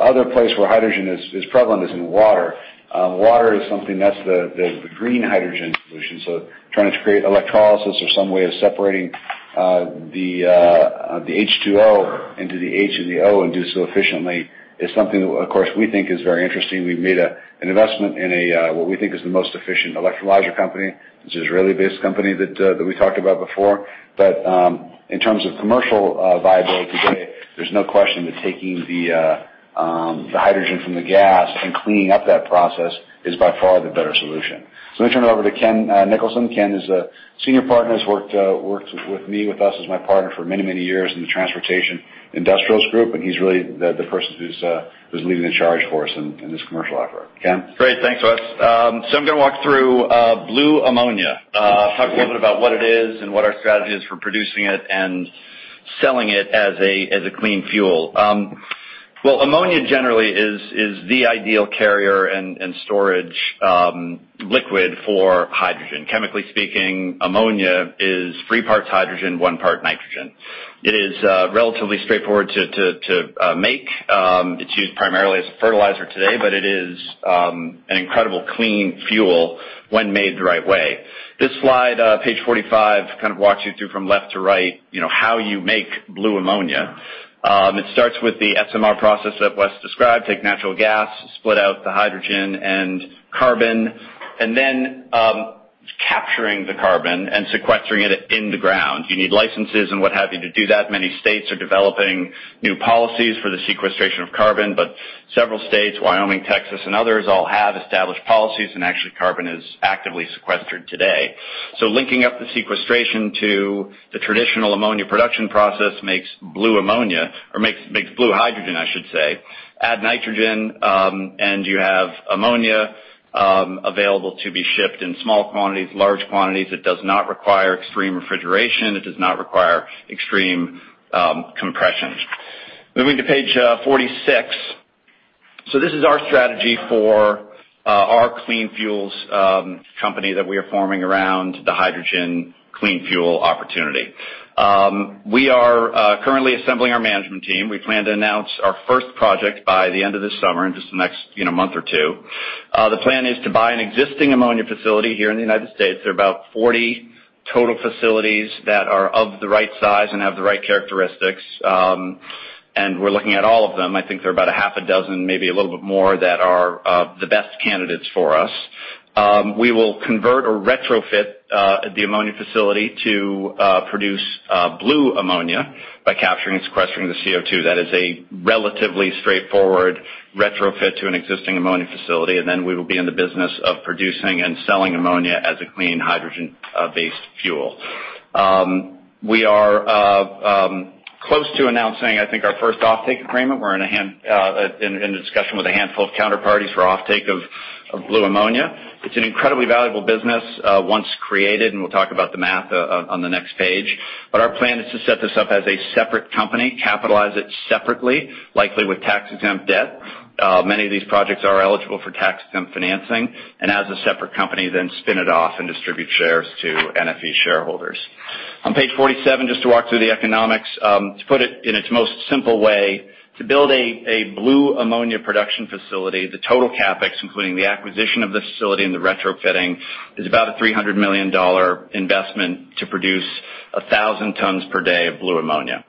other place where hydrogen is prevalent is in water. Water is something that's the green hydrogen solution. So trying to create electrolysis or some way of separating the H2O into the H and the O and do so efficiently is something that, of course, we think is very interesting. We've made an investment in what we think is the most efficient electrolyzer company, which is a really big company that we talked about before. But in terms of commercial viability today, there's no question that taking the hydrogen from the gas and cleaning up that process is by far the better solution. So let me turn it over to Ken Nicholson. Ken is a senior partner. He's worked with me, with us, as my partner for many, many years in the transportation industrials group. And he's really the person who's leading the charge for us in this commercial effort. Ken? Great. Thanks, Wes. So I'm going to walk through blue ammonia, talk a little bit about what it is and what our strategy is for producing it and selling it as a clean fuel. Ammonia generally is the ideal carrier and storage liquid for hydrogen. Chemically speaking, ammonia is three parts hydrogen, one part nitrogen. It is relatively straightforward to make. It's used primarily as a fertilizer today, but it is an incredible clean fuel when made the right way. This slide, page 45, kind of walks you through from left to right how you make blue ammonia. It starts with the SMR process that Wes described. Take natural gas, split out the hydrogen and carbon, and then capturing the carbon and sequestering it in the ground. You need licenses and what have you to do that. Many states are developing new policies for the sequestration of carbon, but several states, Wyoming, Texas, and others, all have established policies, and actually carbon is actively sequestered today. So linking up the sequestration to the traditional ammonia production process makes blue ammonia, or makes blue hydrogen, I should say. Add nitrogen, and you have ammonia available to be shipped in small quantities, large quantities. It does not require extreme refrigeration. It does not require extreme compression. Moving to page 46, so this is our strategy for our clean fuels company that we are forming around the hydrogen clean fuel opportunity. We are currently assembling our management team. We plan to announce our first project by the end of this summer in just the next month or two. The plan is to buy an existing ammonia facility here in the United States. There are about 40 total facilities that are of the right size and have the right characteristics, and we're looking at all of them. I think there are about a half a dozen, maybe a little bit more, that are the best candidates for us. We will convert or retrofit the ammonia facility to produce blue ammonia by capturing and sequestering the CO2. That is a relatively straightforward retrofit to an existing ammonia facility, and then we will be in the business of producing and selling ammonia as a clean hydrogen-based fuel. We are close to announcing, I think, our first offtake agreement. We're in a discussion with a handful of counterparties for offtake of blue ammonia. It's an incredibly valuable business once created, and we'll talk about the math on the next page. Our plan is to set this up as a separate company, capitalize it separately, likely with tax-exempt debt. Many of these projects are eligible for tax-exempt financing, and as a separate company, then spin it off and distribute shares to NFE shareholders. On page 47, just to walk through the economics, to put it in its most simple way, to build a blue ammonia production facility, the total CapEx, including the acquisition of the facility and the retrofitting, is about a $300 million investment to produce 1,000 tons per day of blue ammonia.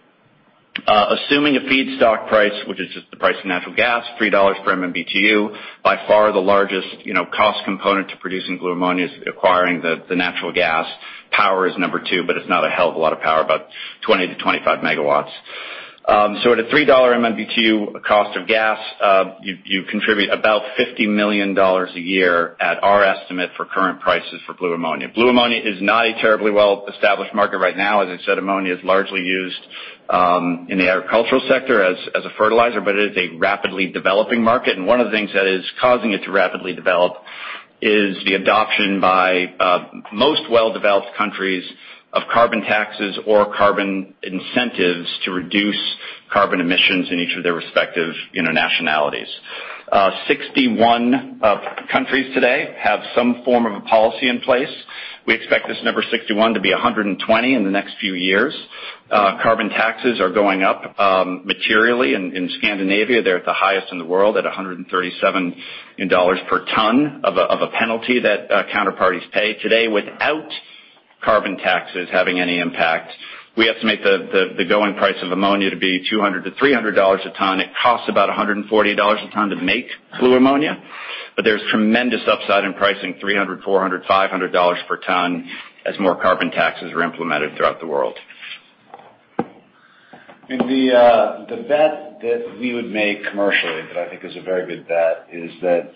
Assuming a feedstock price, which is just the price of natural gas, $3 per MMBtu, by far the largest cost component to producing blue ammonia is acquiring the natural gas. Power is number two, but it's not a hell of a lot of power, about 20-25 MW. So at a $3 MMBtu cost of gas, you contribute about $50 million a year at our estimate for current prices for blue ammonia. blue ammonia is not a terribly well-established market right now. As I said, ammonia is largely used in the agricultural sector as a fertilizer, but it is a rapidly developing market, and one of the things that is causing it to rapidly develop is the adoption by most well-developed countries of carbon taxes or carbon incentives to reduce carbon emissions in each of their respective nationalities. 61 countries today have some form of a policy in place. We expect this number 61 to be 120 in the next few years. Carbon taxes are going up materially. In Scandinavia, they're at the highest in the world at $137 per ton of a penalty that counterparties pay today without carbon taxes having any impact. We estimate the going price of ammonia to be $200-$300 a ton. It costs about $140 a ton to make blue ammonia. There's tremendous upside in pricing, $300, $400, $500 per ton as more carbon taxes are implemented throughout the world. The bet that we would make commercially that I think is a very good bet is that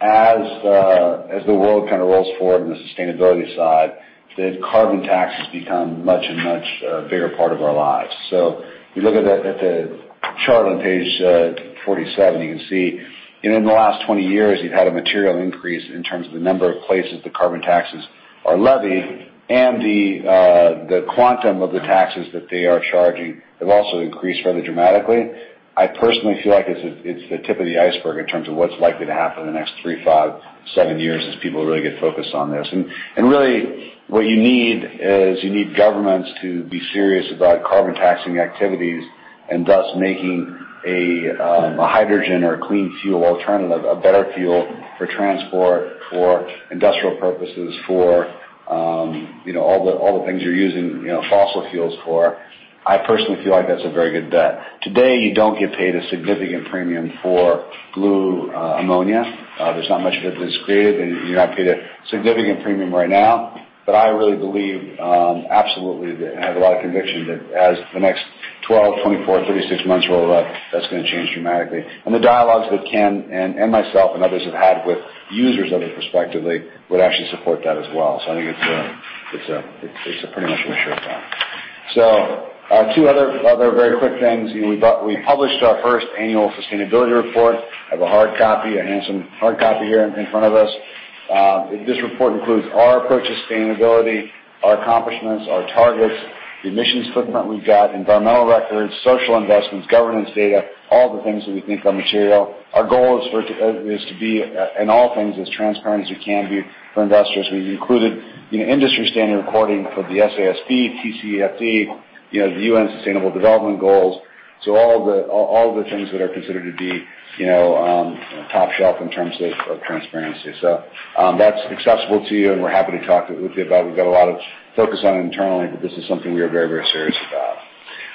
as the world kind of rolls forward on the sustainability side, that carbon taxes become much and much bigger part of our lives. If you look at the chart on page 47, you can see in the last 20 years, you've had a material increase in terms of the number of places the carbon taxes are levied. The quantum of the taxes that they are charging have also increased rather dramatically. I personally feel like it's the tip of the iceberg in terms of what's likely to happen in the next three, five, seven years as people really get focused on this. Really, what you need is you need governments to be serious about carbon taxing activities and thus making a hydrogen or a clean fuel alternative, a better fuel for transport, for industrial purposes, for all the things you're using fossil fuels for. I personally feel like that's a very good bet. Today, you don't get paid a significant premium for blue ammonia. There's not much that is created. You're not paid a significant premium right now. But I really believe absolutely and have a lot of conviction that as the next 12, 24, 36 months roll up, that's going to change dramatically. The dialogues that Ken and myself and others have had with users of it prospectively would actually support that as well. I think it's pretty much a sure thought. Two other very quick things. We published our first annual sustainability report. I have a hard copy, a handsome hard copy here in front of us. This report includes our approach to sustainability, our accomplishments, our targets, the emissions footprint we've got, environmental records, social investments, governance data, all the things that we think are material. Our goal is to be in all things as transparent as we can be for investors. We've included industry standard reporting for the SASB, TCFD, the UN Sustainable Development Goals. So all the things that are considered to be top shelf in terms of transparency. So that's accessible to you, and we're happy to talk with you about it. We've got a lot of focus on it internally, but this is something we are very, very serious about.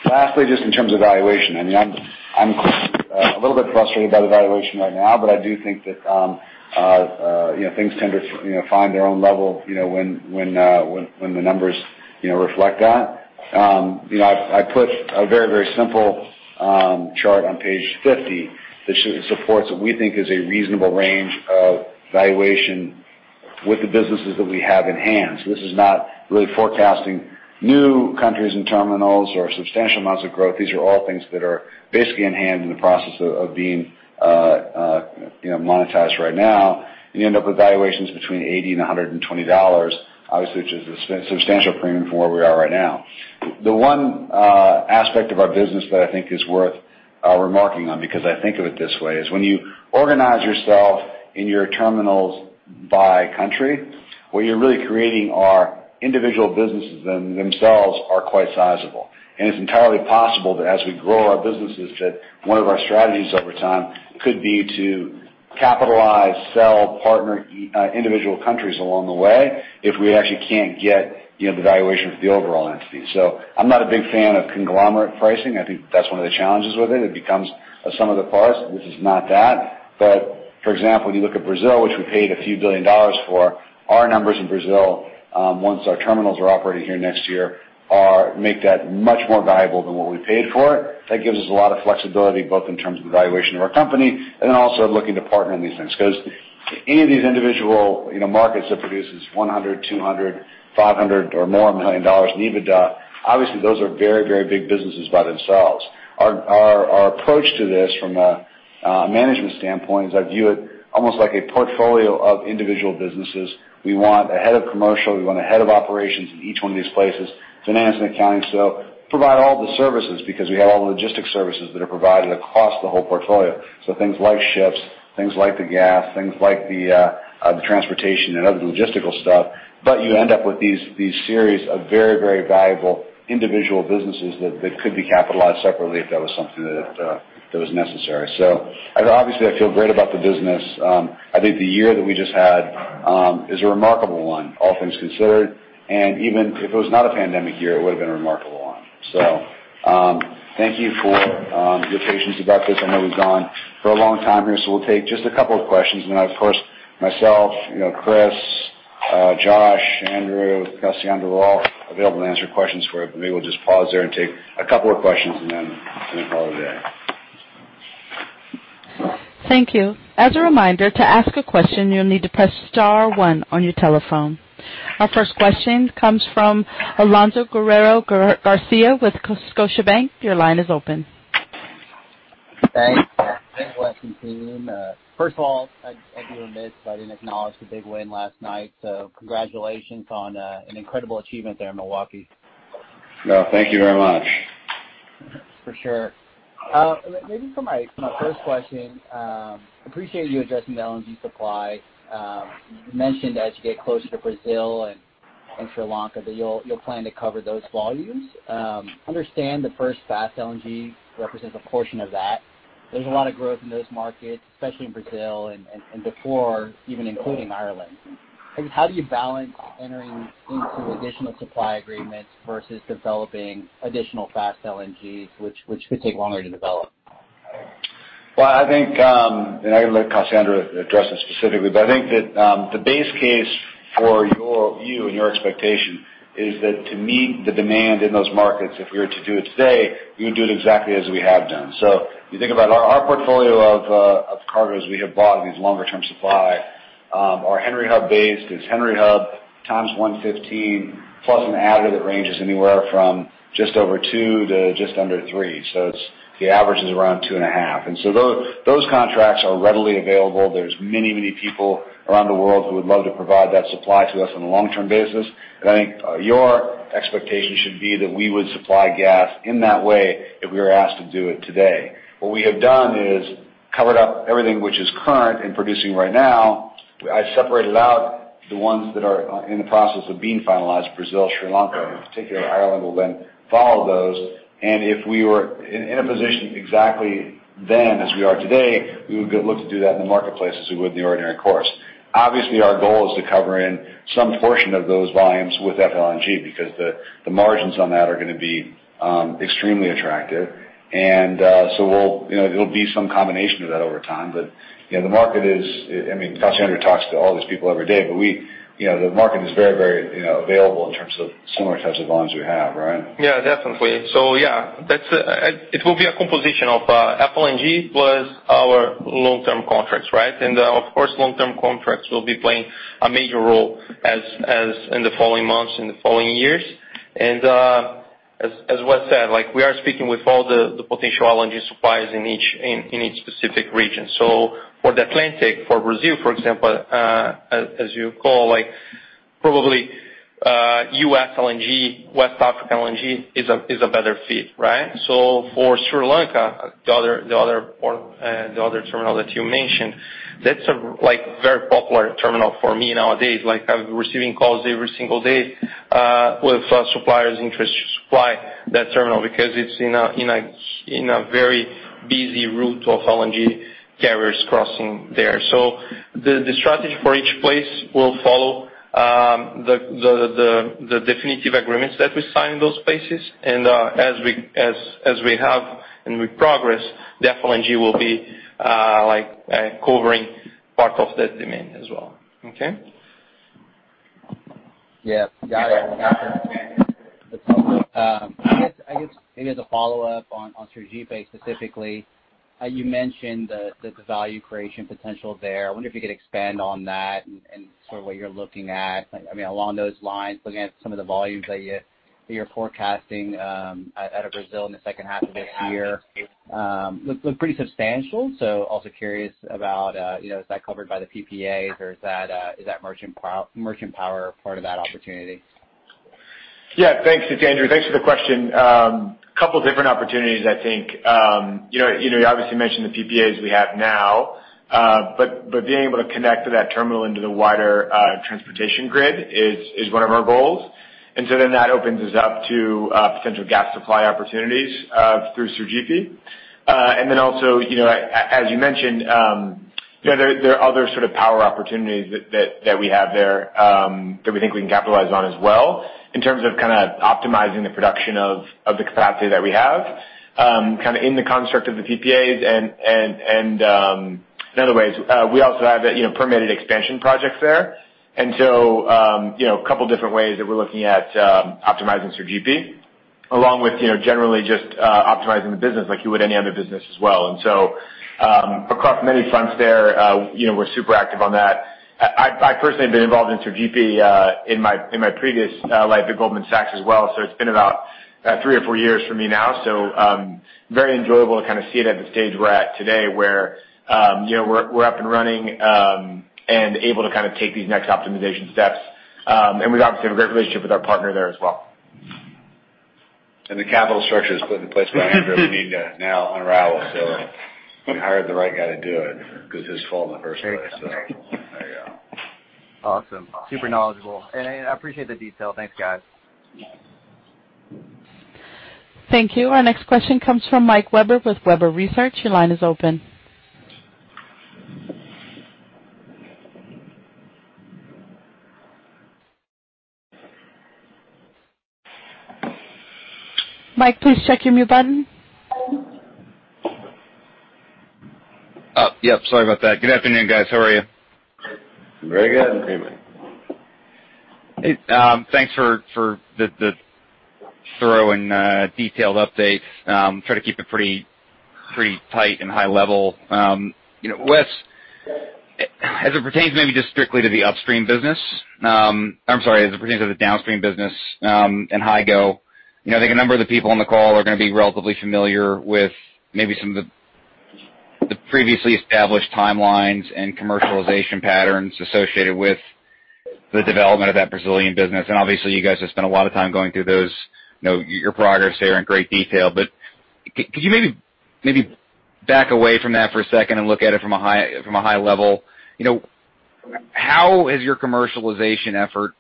Lastly, just in terms of valuation, I mean, I'm a little bit frustrated by the valuation right now, but I do think that things tend to find their own level when the numbers reflect that. I put a very, very simple chart on page 50 that supports what we think is a reasonable range of valuation with the businesses that we have in hand. So this is not really forecasting new countries and terminals or substantial amounts of growth. These are all things that are basically in hand in the process of being monetized right now. You end up with valuations between $80 and $120, obviously, which is a substantial premium for where we are right now. The one aspect of our business that I think is worth remarking on, because I think of it this way, is when you organize yourself in your terminals by country, what you're really creating are individual businesses that themselves are quite sizable, and it's entirely possible that as we grow our businesses, that one of our strategies over time could be to capitalize, sell, partner individual countries along the way if we actually can't get the valuation for the overall entity. So I'm not a big fan of conglomerate pricing. I think that's one of the challenges with it. It becomes a sum of the parts. This is not that, but for example, when you look at Brazil, which we paid $a few billion for, our numbers in Brazil, once our terminals are operating here next year, make that much more valuable than what we paid for it. That gives us a lot of flexibility both in terms of the valuation of our company and then also looking to partner on these things. Because any of these individual markets that produce this $100 million, $200 million, $500 million or more in EBITDA, obviously, those are very, very big businesses by themselves. Our approach to this from a management standpoint is I view it almost like a portfolio of individual businesses. We want a head of commercial. We want a head of operations in each one of these places, finance and accounting, so provide all the services because we have all the logistics services that are provided across the whole portfolio. So things like ships, things like the gas, things like the transportation and other logistical stuff. But you end up with these series of very, very valuable individual businesses that could be capitalized separately if that was something that was necessary. So obviously, I feel great about the business. I think the year that we just had is a remarkable one, all things considered. And even if it was not a pandemic year, it would have been a remarkable one. So thank you for your patience about this. I know we've gone for a long time here, so we'll take just a couple of questions. And then, of course, myself, Chris, Josh, Andrew, Cassiano, we're all available to answer questions for you. But maybe we'll just pause there and take a couple of questions and then call it a day. Thank you. As a reminder, to ask a question, you'll need to press star one on your telephone. Our first question comes from Alonso Guerrero-Garcia with Scotiabank. Your line is open. Thanks, Wes and team. First of all, I do admit that I didn't acknowledge the big win last night. So congratulations on an incredible achievement there in Milwaukee. No, thank you very much. For sure. Maybe for my first question, I appreciate you addressing the LNG supply. You mentioned as you get closer to Brazil and Sri Lanka that you'll plan to cover those volumes. Understand the first Fast LNG represents a portion of that. There's a lot of growth in those markets, especially in Brazil and before even including Ireland. How do you balance entering into additional supply agreements versus developing additional Fast LNGs, which could take longer to develop? I think, and I can let Cassiano address this specifically, but I think that the base case for you and your expectation is that to meet the demand in those markets, if we were to do it today, we would do it exactly as we have done. You think about our portfolio of cargoes we have bought in these longer-term supply are Henry Hub-based. It's Henry Hub times 115 plus an additive that ranges anywhere from just over two to just under three. The average is around two and a half. Those contracts are readily available. There's many, many people around the world who would love to provide that supply to us on a long-term basis. I think your expectation should be that we would supply gas in that way if we were asked to do it today. What we have done is covered up everything which is current and producing right now. I separated out the ones that are in the process of being finalized, Brazil, Sri Lanka, and in particular, Ireland will then follow those. And if we were in a position exactly then as we are today, we would look to do that in the marketplace as we would in the ordinary course. Obviously, our goal is to cover in some portion of those volumes with FLNG because the margins on that are going to be extremely attractive. And so it'll be some combination of that over time. But the market is, I mean, Cassiano talks to all these people every day, but the market is very, very available in terms of similar types of volumes we have, right? Yeah, definitely. So yeah, it will be a composition of FLNG plus our long-term contracts, right? And of course, long-term contracts will be playing a major role in the following months, in the following years. And as Wes said, we are speaking with all the potential LNG suppliers in each specific region. So for the Atlantic, for Brazil, for example, as you call, probably U.S. LNG, West African LNG is a better fit, right? So for Sri Lanka, the other terminal that you mentioned, that's a very popular terminal for me nowadays. I'm receiving calls every single day with suppliers interested to supply that terminal because it's in a very busy route of LNG carriers crossing there. So the strategy for each place will follow the definitive agreements that we sign in those places. As we progress, the FLNG will be covering part of that demand as well. Okay? Yes, got it. I guess maybe as a follow-up on strategic base specifically, you mentioned the value creation potential there. I wonder if you could expand on that and sort of what you're looking at. I mean, along those lines, looking at some of the volumes that you're forecasting out of Brazil in the second half of this year, look pretty substantial. So also curious about, is that covered by the PPAs, or is that merchant power part of that opportunity? Yeah, thanks, Andrew. Thanks for the question. A couple of different opportunities, I think. You obviously mentioned the PPAs we have now, but being able to connect to that terminal into the wider transportation grid is one of our goals. And so then that opens us up to potential gas supply opportunities through Sergipe. And then also, as you mentioned, there are other sort of power opportunities that we have there that we think we can capitalize on as well in terms of kind of optimizing the production of the capacity that we have kind of in the construct of the PPAs and in other ways. We also have permitted expansion projects there. And so a couple of different ways that we're looking at optimizing Sergipe, along with generally just optimizing the business like you would any other business as well. And so, across many fronts there, we're super active on that. I personally have been involved in Sergipe in my previous life at Goldman Sachs as well. So, it's been about three or four years for me now. So, very enjoyable to kind of see it at the stage we're at today where we're up and running and able to kind of take these next optimization steps. And we obviously have a great relationship with our partner there as well. The capital structure is put into place by Andrew and Nina now on Raul. So we hired the right guy to do it because it's his fault in the first place. Awesome. Super knowledgeable. I appreciate the detail. Thanks, guys. Thank you. Our next question comes from Mike Webber with Webber Research. Your line is open. Mike, please check your mute button. Yep, sorry about that. Good afternoon, guys. How are you? Very good. Thanks for the thorough and detailed updates. Try to keep it pretty tight and high level. Wes, as it pertains maybe just strictly to the upstream business, I'm sorry, as it pertains to the downstream business and Hygo, I think a number of the people on the call are going to be relatively familiar with maybe some of the previously established timelines and commercialization patterns associated with the development of that Brazilian business. And obviously, you guys have spent a lot of time going through your progress there in great detail. But could you maybe back away from that for a second and look at it from a high level? How is your commercialization effort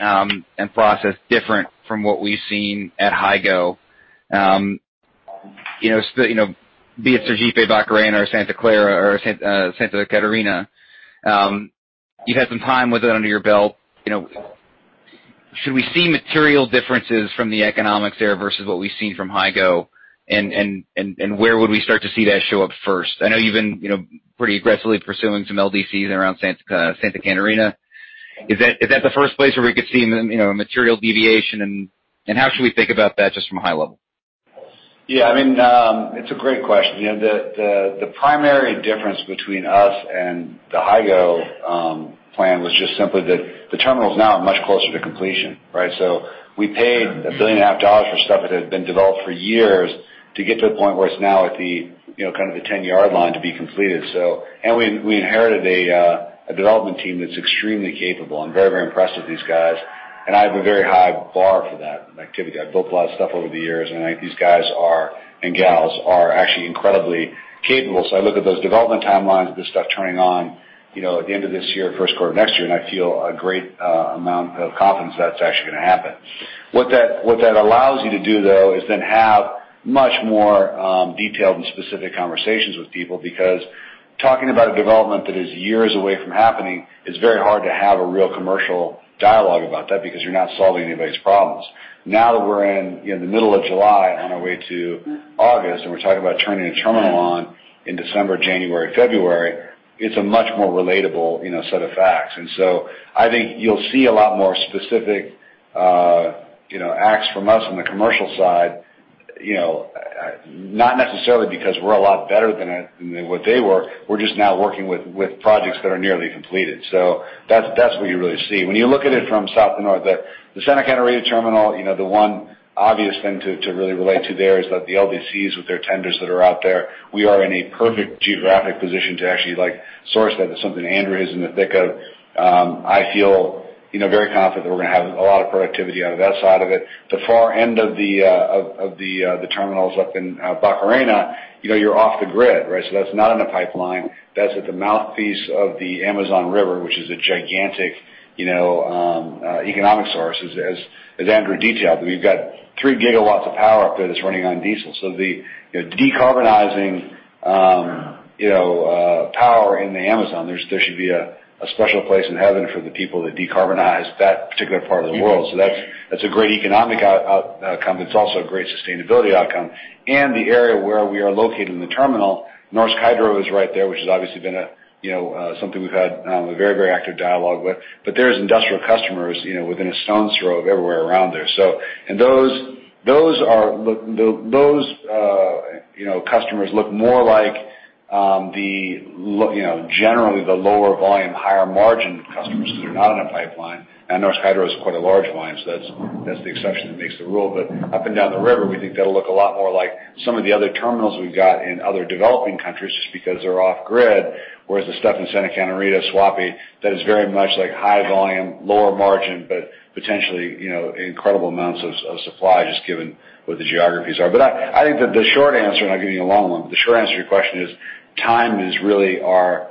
and process different from what we've seen at Hygo? Be it Sergipe, Barcarena, or Santa Clara, or Santa Catarina, you've had some time with it under your belt. Should we see material differences from the economics there versus what we've seen from Hygo, and where would we start to see that show up first? I know you've been pretty aggressively pursuing some LDCs around Santa Catarina. Is that the first place where we could see material deviation, and how should we think about that just from a high level? Yeah, I mean, it's a great question. The primary difference between us and the Hygo plan was just simply that the terminal is now much closer to completion, right? So we paid $1.5 billion for stuff that had been developed for years to get to the point where it's now at kind of the 10-yard line to be completed. And we inherited a development team that's extremely capable. I'm very, very impressed with these guys. And I have a very high bar for that activity. I've built a lot of stuff over the years, and I think these guys and gals are actually incredibly capable. So I look at those development timelines, this stuff turning on at the end of this year, first quarter of next year, and I feel a great amount of confidence that that's actually going to happen. What that allows you to do, though, is then have much more detailed and specific conversations with people because talking about a development that is years away from happening is very hard to have a real commercial dialogue about that because you're not solving anybody's problems. Now that we're in the middle of July on our way to August, and we're talking about turning a terminal on in December, January, February, it's a much more relatable set of facts. And so I think you'll see a lot more specific acts from us on the commercial side, not necessarily because we're a lot better than what they were. We're just now working with projects that are nearly completed. So that's what you really see. When you look at it from south to north, the Santa Catarina terminal, the one obvious thing to really relate to there is that the LDCs with their tenders that are out there, we are in a perfect geographic position to actually source that. That's something Andrew is in the thick of. I feel very confident that we're going to have a lot of productivity out of that side of it. The far end of the terminals up in Barcarena, you're off the grid, right? So that's not in a pipeline. That's at the mouthpiece of the Amazon River, which is a gigantic economic source, as Andrew detailed. We've got three gigawatts of power up there that's running on diesel. So the decarbonizing power in the Amazon, there should be a special place in heaven for the people that decarbonize that particular part of the world. So that's a great economic outcome. It's also a great sustainability outcome. And the area where we are located in the terminal, Norsk Hydro is right there, which has obviously been something we've had a very, very active dialogue with. But there's industrial customers within a stone's throw of everywhere around there. And those customers look more like generally the lower volume, higher margin customers because they're not in a pipeline. And Norsk Hydro is quite a large line, so that's the exception that makes the rule. But up and down the river, we think that'll look a lot more like some of the other terminals we've got in other developing countries just because they're off-grid, whereas the stuff in Santa Catarina, Suape, that is very much like high volume, lower margin, but potentially incredible amounts of supply just given what the geographies are. But I think that the short answer, and I'll give you a long one, but the short answer to your question is time is really our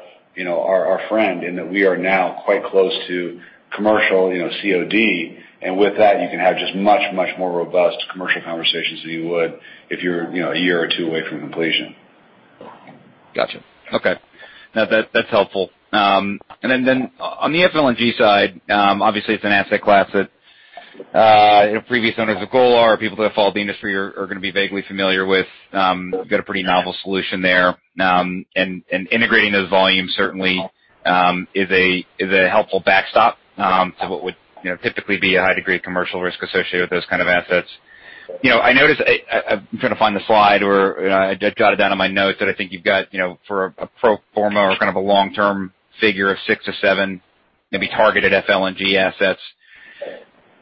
friend in that we are now quite close to commercial COD. And with that, you can have just much, much more robust commercial conversations than you would if you're a year or two away from completion. Gotcha. Okay. Now, that's helpful. And then on the FLNG side, obviously, it's an asset class that previous owners of Golar or people that have followed the industry are going to be vaguely familiar with. You've got a pretty novel solution there. And integrating those volumes certainly is a helpful backstop to what would typically be a high degree of commercial risk associated with those kind of assets. I noticed. I'm trying to find the slide or I jotted down in my notes that I think you've got for a pro forma or kind of a long-term figure of six to seven, maybe targeted FLNG assets.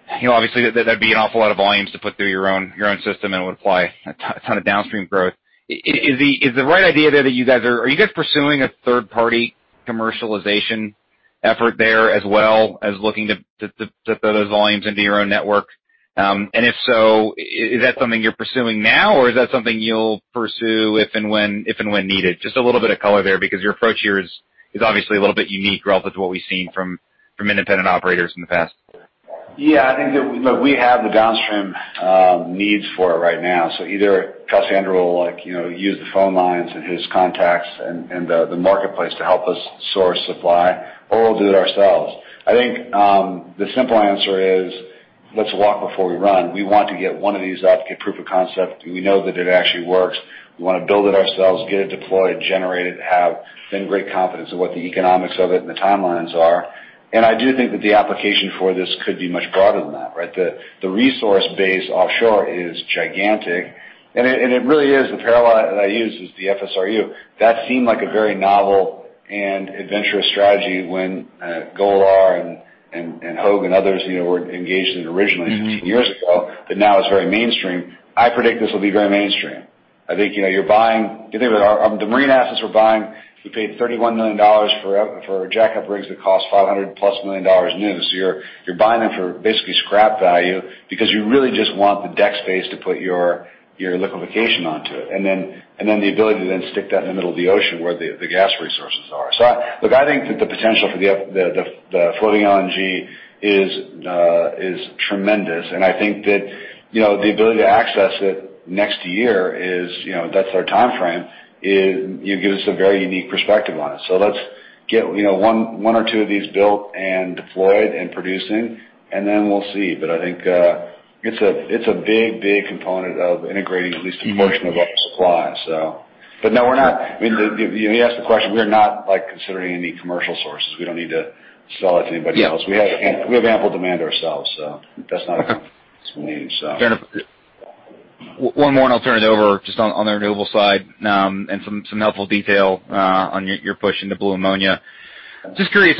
Obviously, that'd be an awful lot of volumes to put through your own system, and it would apply a ton of downstream growth. Is the right idea there that you guys are pursuing a third-party commercialization effort there as well as looking to put those volumes into your own network? And if so, is that something you're pursuing now, or is that something you'll pursue if and when needed? Just a little bit of color there because your approach here is obviously a little bit unique relative to what we've seen from independent operators in the past. Yeah, I think that we have the downstream needs for it right now. So either Cassiano will use the phone lines and his contacts and the marketplace to help us source supply, or we'll do it ourselves. I think the simple answer is, let's walk before we run. We want to get one of these up, get proof of concept. We know that it actually works. We want to build it ourselves, get it deployed, generate it, have great confidence in what the economics of it and the timelines are. And I do think that the application for this could be much broader than that, right? The resource base offshore is gigantic. And it really is. The parallel that I use is the FSRU. That seemed like a very novel and adventurous strategy when Golar and Hygo and others were engaged in it originally 15 years ago, but now it's very mainstream. I predict this will be very mainstream. I think you're buying the marine assets we're buying. We paid $31 million for jack-up rigs that cost $500+ million new. So you're buying them for basically scrap value because you really just want the deck space to put your liquefaction onto it and then the ability to then stick that in the middle of the ocean where the gas resources are. So look, I think that the potential for the floating LNG is tremendous. I think that the ability to access it next year, that's our time frame, gives us a very unique perspective on it. Let's get one or two of these built and deployed and producing, and then we'll see. But I think it's a big, big component of integrating at least a portion of our supply. But no, we're not. I mean, you asked the question. We are not considering any commercial sources. We don't need to sell it to anybody else. We have ample demand ourselves, so that's not a concern to me, so. One more, and I'll turn it over just on the renewable side and some helpful detail on your push into blue ammonia. Just curious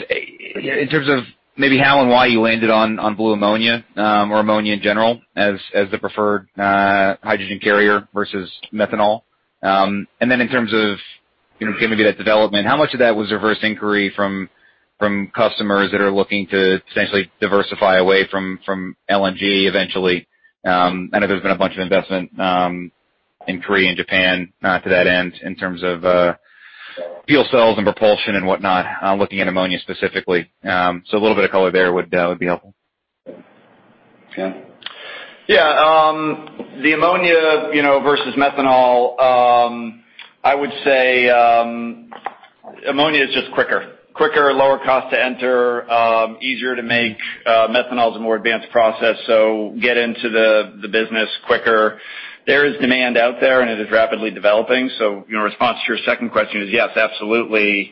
in terms of maybe how and why you landed on blue ammonia or ammonia in general as the preferred hydrogen carrier versus methanol, and then in terms of maybe that development, how much of that was reverse inquiry from customers that are looking to potentially diversify away from LNG eventually? I know there's been a bunch of investment in Korea and Japan to that end in terms of fuel cells and propulsion and whatnot, looking at ammonia specifically, so a little bit of color there would be helpful. Yeah. Yeah. The ammonia versus methanol, I would say ammonia is just quicker. Quicker, lower cost to enter, easier to make. Methanol is a more advanced process, so get into the business quicker. There is demand out there, and it is rapidly developing. So in response to your second question is, yes, absolutely,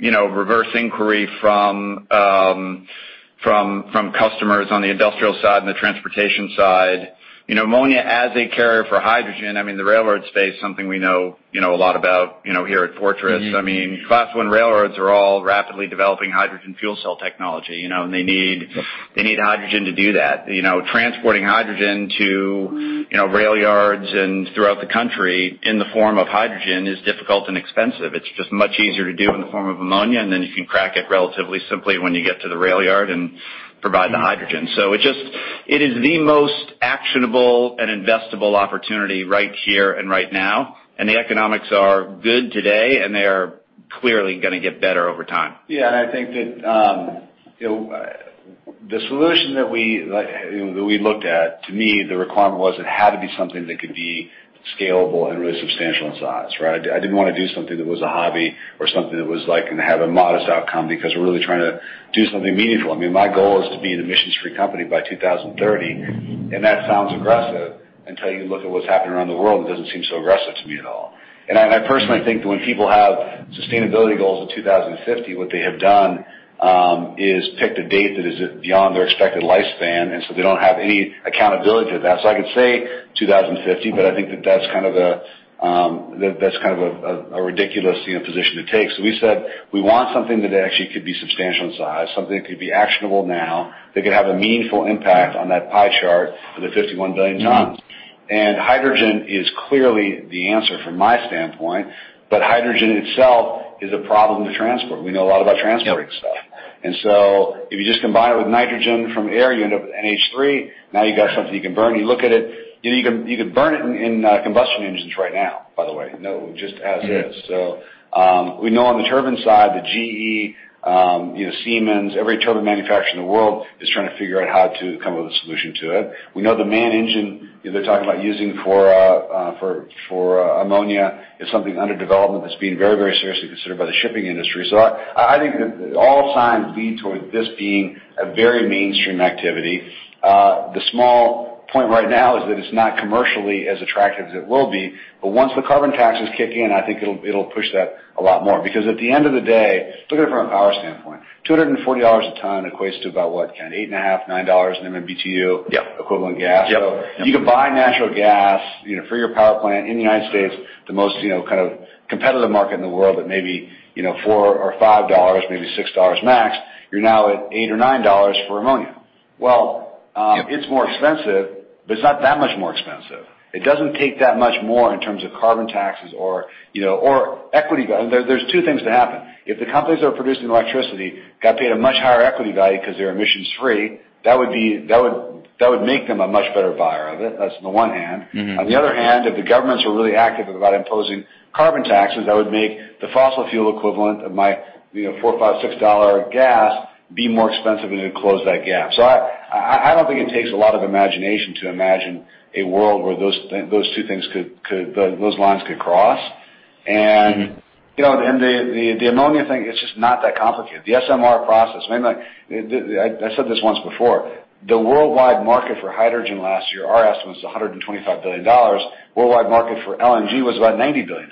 reverse inquiry from customers on the industrial side and the transportation side. Ammonia as a carrier for hydrogen, I mean, the railroad space, something we know a lot about here at Fortress. I mean, Class I railroads are all rapidly developing hydrogen fuel cell technology, and they need hydrogen to do that. Transporting hydrogen to railyards and throughout the country in the form of hydrogen is difficult and expensive. It's just much easier to do in the form of ammonia, and then you can crack it relatively simply when you get to the railyard and provide the hydrogen. So it is the most actionable and investable opportunity right here and right now. And the economics are good today, and they are clearly going to get better over time. Yeah. And I think that the solution that we looked at, to me, the requirement was it had to be something that could be scalable and really substantial in size, right? I didn't want to do something that was a hobby or something that was going to have a modest outcome because we're really trying to do something meaningful. I mean, my goal is to be an emissions-free company by 2030, and that sounds aggressive until you look at what's happening around the world, and it doesn't seem so aggressive to me at all, and I personally think that when people have sustainability goals in 2050, what they have done is picked a date that is beyond their expected lifespan, and so they don't have any accountability to that. So I could say 2050, but I think that's kind of a ridiculous position to take. So we said we want something that actually could be substantial in size, something that could be actionable now that could have a meaningful impact on that pie chart of the 51 billion tons, and hydrogen is clearly the answer from my standpoint, but hydrogen itself is a problem to transport. We know a lot about transporting stuff. And so if you just combine it with nitrogen from air, you end up with NH3. Now you've got something you can burn. You look at it. You could burn it in combustion engines right now, by the way, just as is. So we know on the turbine side, the GE, Siemens, every turbine manufacturer in the world is trying to figure out how to come up with a solution to it. We know the main engine they're talking about using for ammonia is something under development that's being very, very seriously considered by the shipping industry. So I think that all signs lead towards this being a very mainstream activity. The small point right now is that it's not commercially as attractive as it will be, but once the carbon taxes kick in, I think it'll push that a lot more. Because at the end of the day, look at it from a power standpoint. $240 a ton equates to about what, kind of 8.5, nine dollars in MMBtu equivalent gas. So you can buy natural gas for your power plant in the United States, the most kind of competitive market in the world, that maybe four or five dollars, maybe six dollars max. You're now at eight or nine dollars for ammonia. Well, it's more expensive, but it's not that much more expensive. It doesn't take that much more in terms of carbon taxes or equity value. There's two things that happen. If the companies that are producing electricity got paid a much higher equity value because they're emissions-free, that would make them a much better buyer of it. That's on the one hand. On the other hand, if the governments were really active about imposing carbon taxes, that would make the fossil fuel equivalent of my $4-$6 gas be more expensive and it would close that gap. So I don't think it takes a lot of imagination to imagine a world where those two lines could cross. The ammonia thing, it's just not that complicated. The SMR process, I said this once before, the worldwide market for hydrogen last year, our estimate was $125 billion. Worldwide market for LNG was about $90 billion.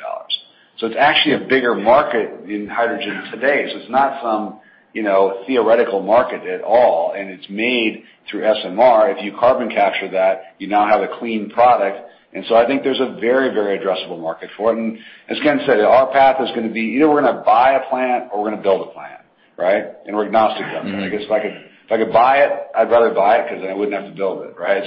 So it's actually a bigger market in hydrogen today. So it's not some theoretical market at all, and it's made through SMR. If you carbon capture that, you now have a clean product. And so I think there's a very, very addressable market for it. As Ken said, our path is going to be either we're going to buy a plant or we're going to build a plant, right? We're agnostic of that. I guess if I could buy it, I'd rather buy it because then I wouldn't have to build it, right?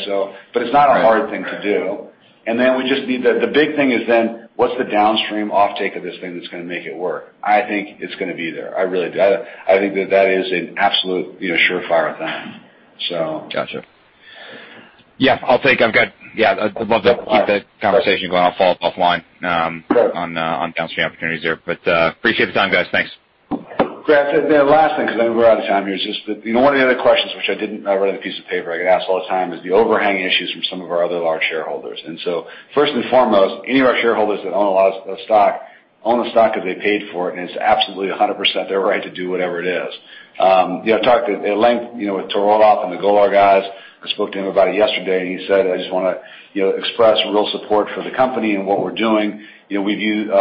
But it's not a hard thing to do. Then we just need the big thing is then what's the downstream offtake of this thing that's going to make it work? I think it's going to be there. I really do. I think that that is an absolute surefire thing, so. Gotcha. Yeah. I'd love to keep the conversation going. I'll follow up offline on downstream opportunities there. But appreciate the time, guys. Thanks. Great. And then the last thing, because I know we're out of time here, is just that one of the other questions, which I didn't write on a piece of paper, I get asked all the time, is the overhang issues from some of our other large shareholders. And so first and foremost, any of our shareholders that own a lot of stock own the stock because they paid for it, and it's absolutely 100% their right to do whatever it is. I talked at length with Tor Olav Trøim and the Golar guys. I spoke to him about it yesterday, and he said, "I just want to express real support for the company and what we're doing. We view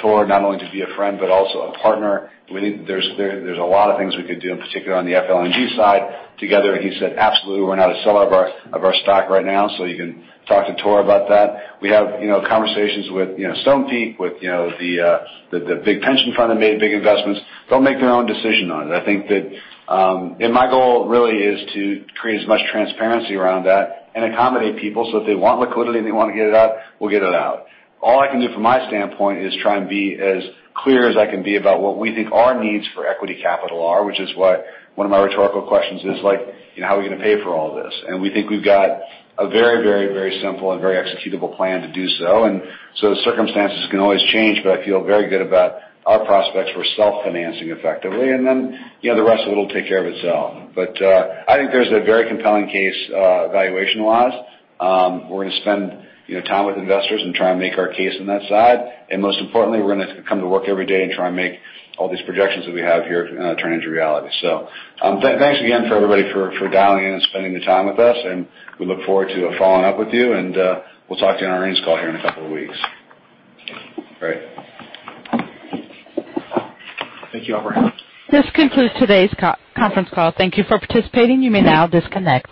Tor not only to be a friend, but also a partner. We think there's a lot of things we could do, in particular on the FLNG side, together," and he said, "Absolutely. We're not a seller of our stock right now, so you can talk to Tor about that." We have conversations with Stonepeak, with the big pension fund that made big investments. They'll make their own decision on it. I think that my goal really is to create as much transparency around that and accommodate people so if they want liquidity and they want to get it out, we'll get it out. All I can do from my standpoint is try and be as clear as I can be about what we think our needs for equity capital are, which is what one of my rhetorical questions is like, "How are we going to pay for all of this?" And we think we've got a very, very, very simple and very executable plan to do so. And so circumstances can always change, but I feel very good about our prospects for self-financing effectively. And then the rest of it will take care of itself. But I think there's a very compelling case valuation-wise. We're going to spend time with investors and try and make our case on that side. And most importantly, we're going to come to work every day and try and make all these projections that we have here turn into reality. Thanks again for everybody for dialing in and spending the time with us. We look forward to following up with you, and we'll talk to you on our earnings call here in a couple of weeks. Great. Thank you, Wes. This concludes today's conference call. Thank you for participating. You may now disconnect.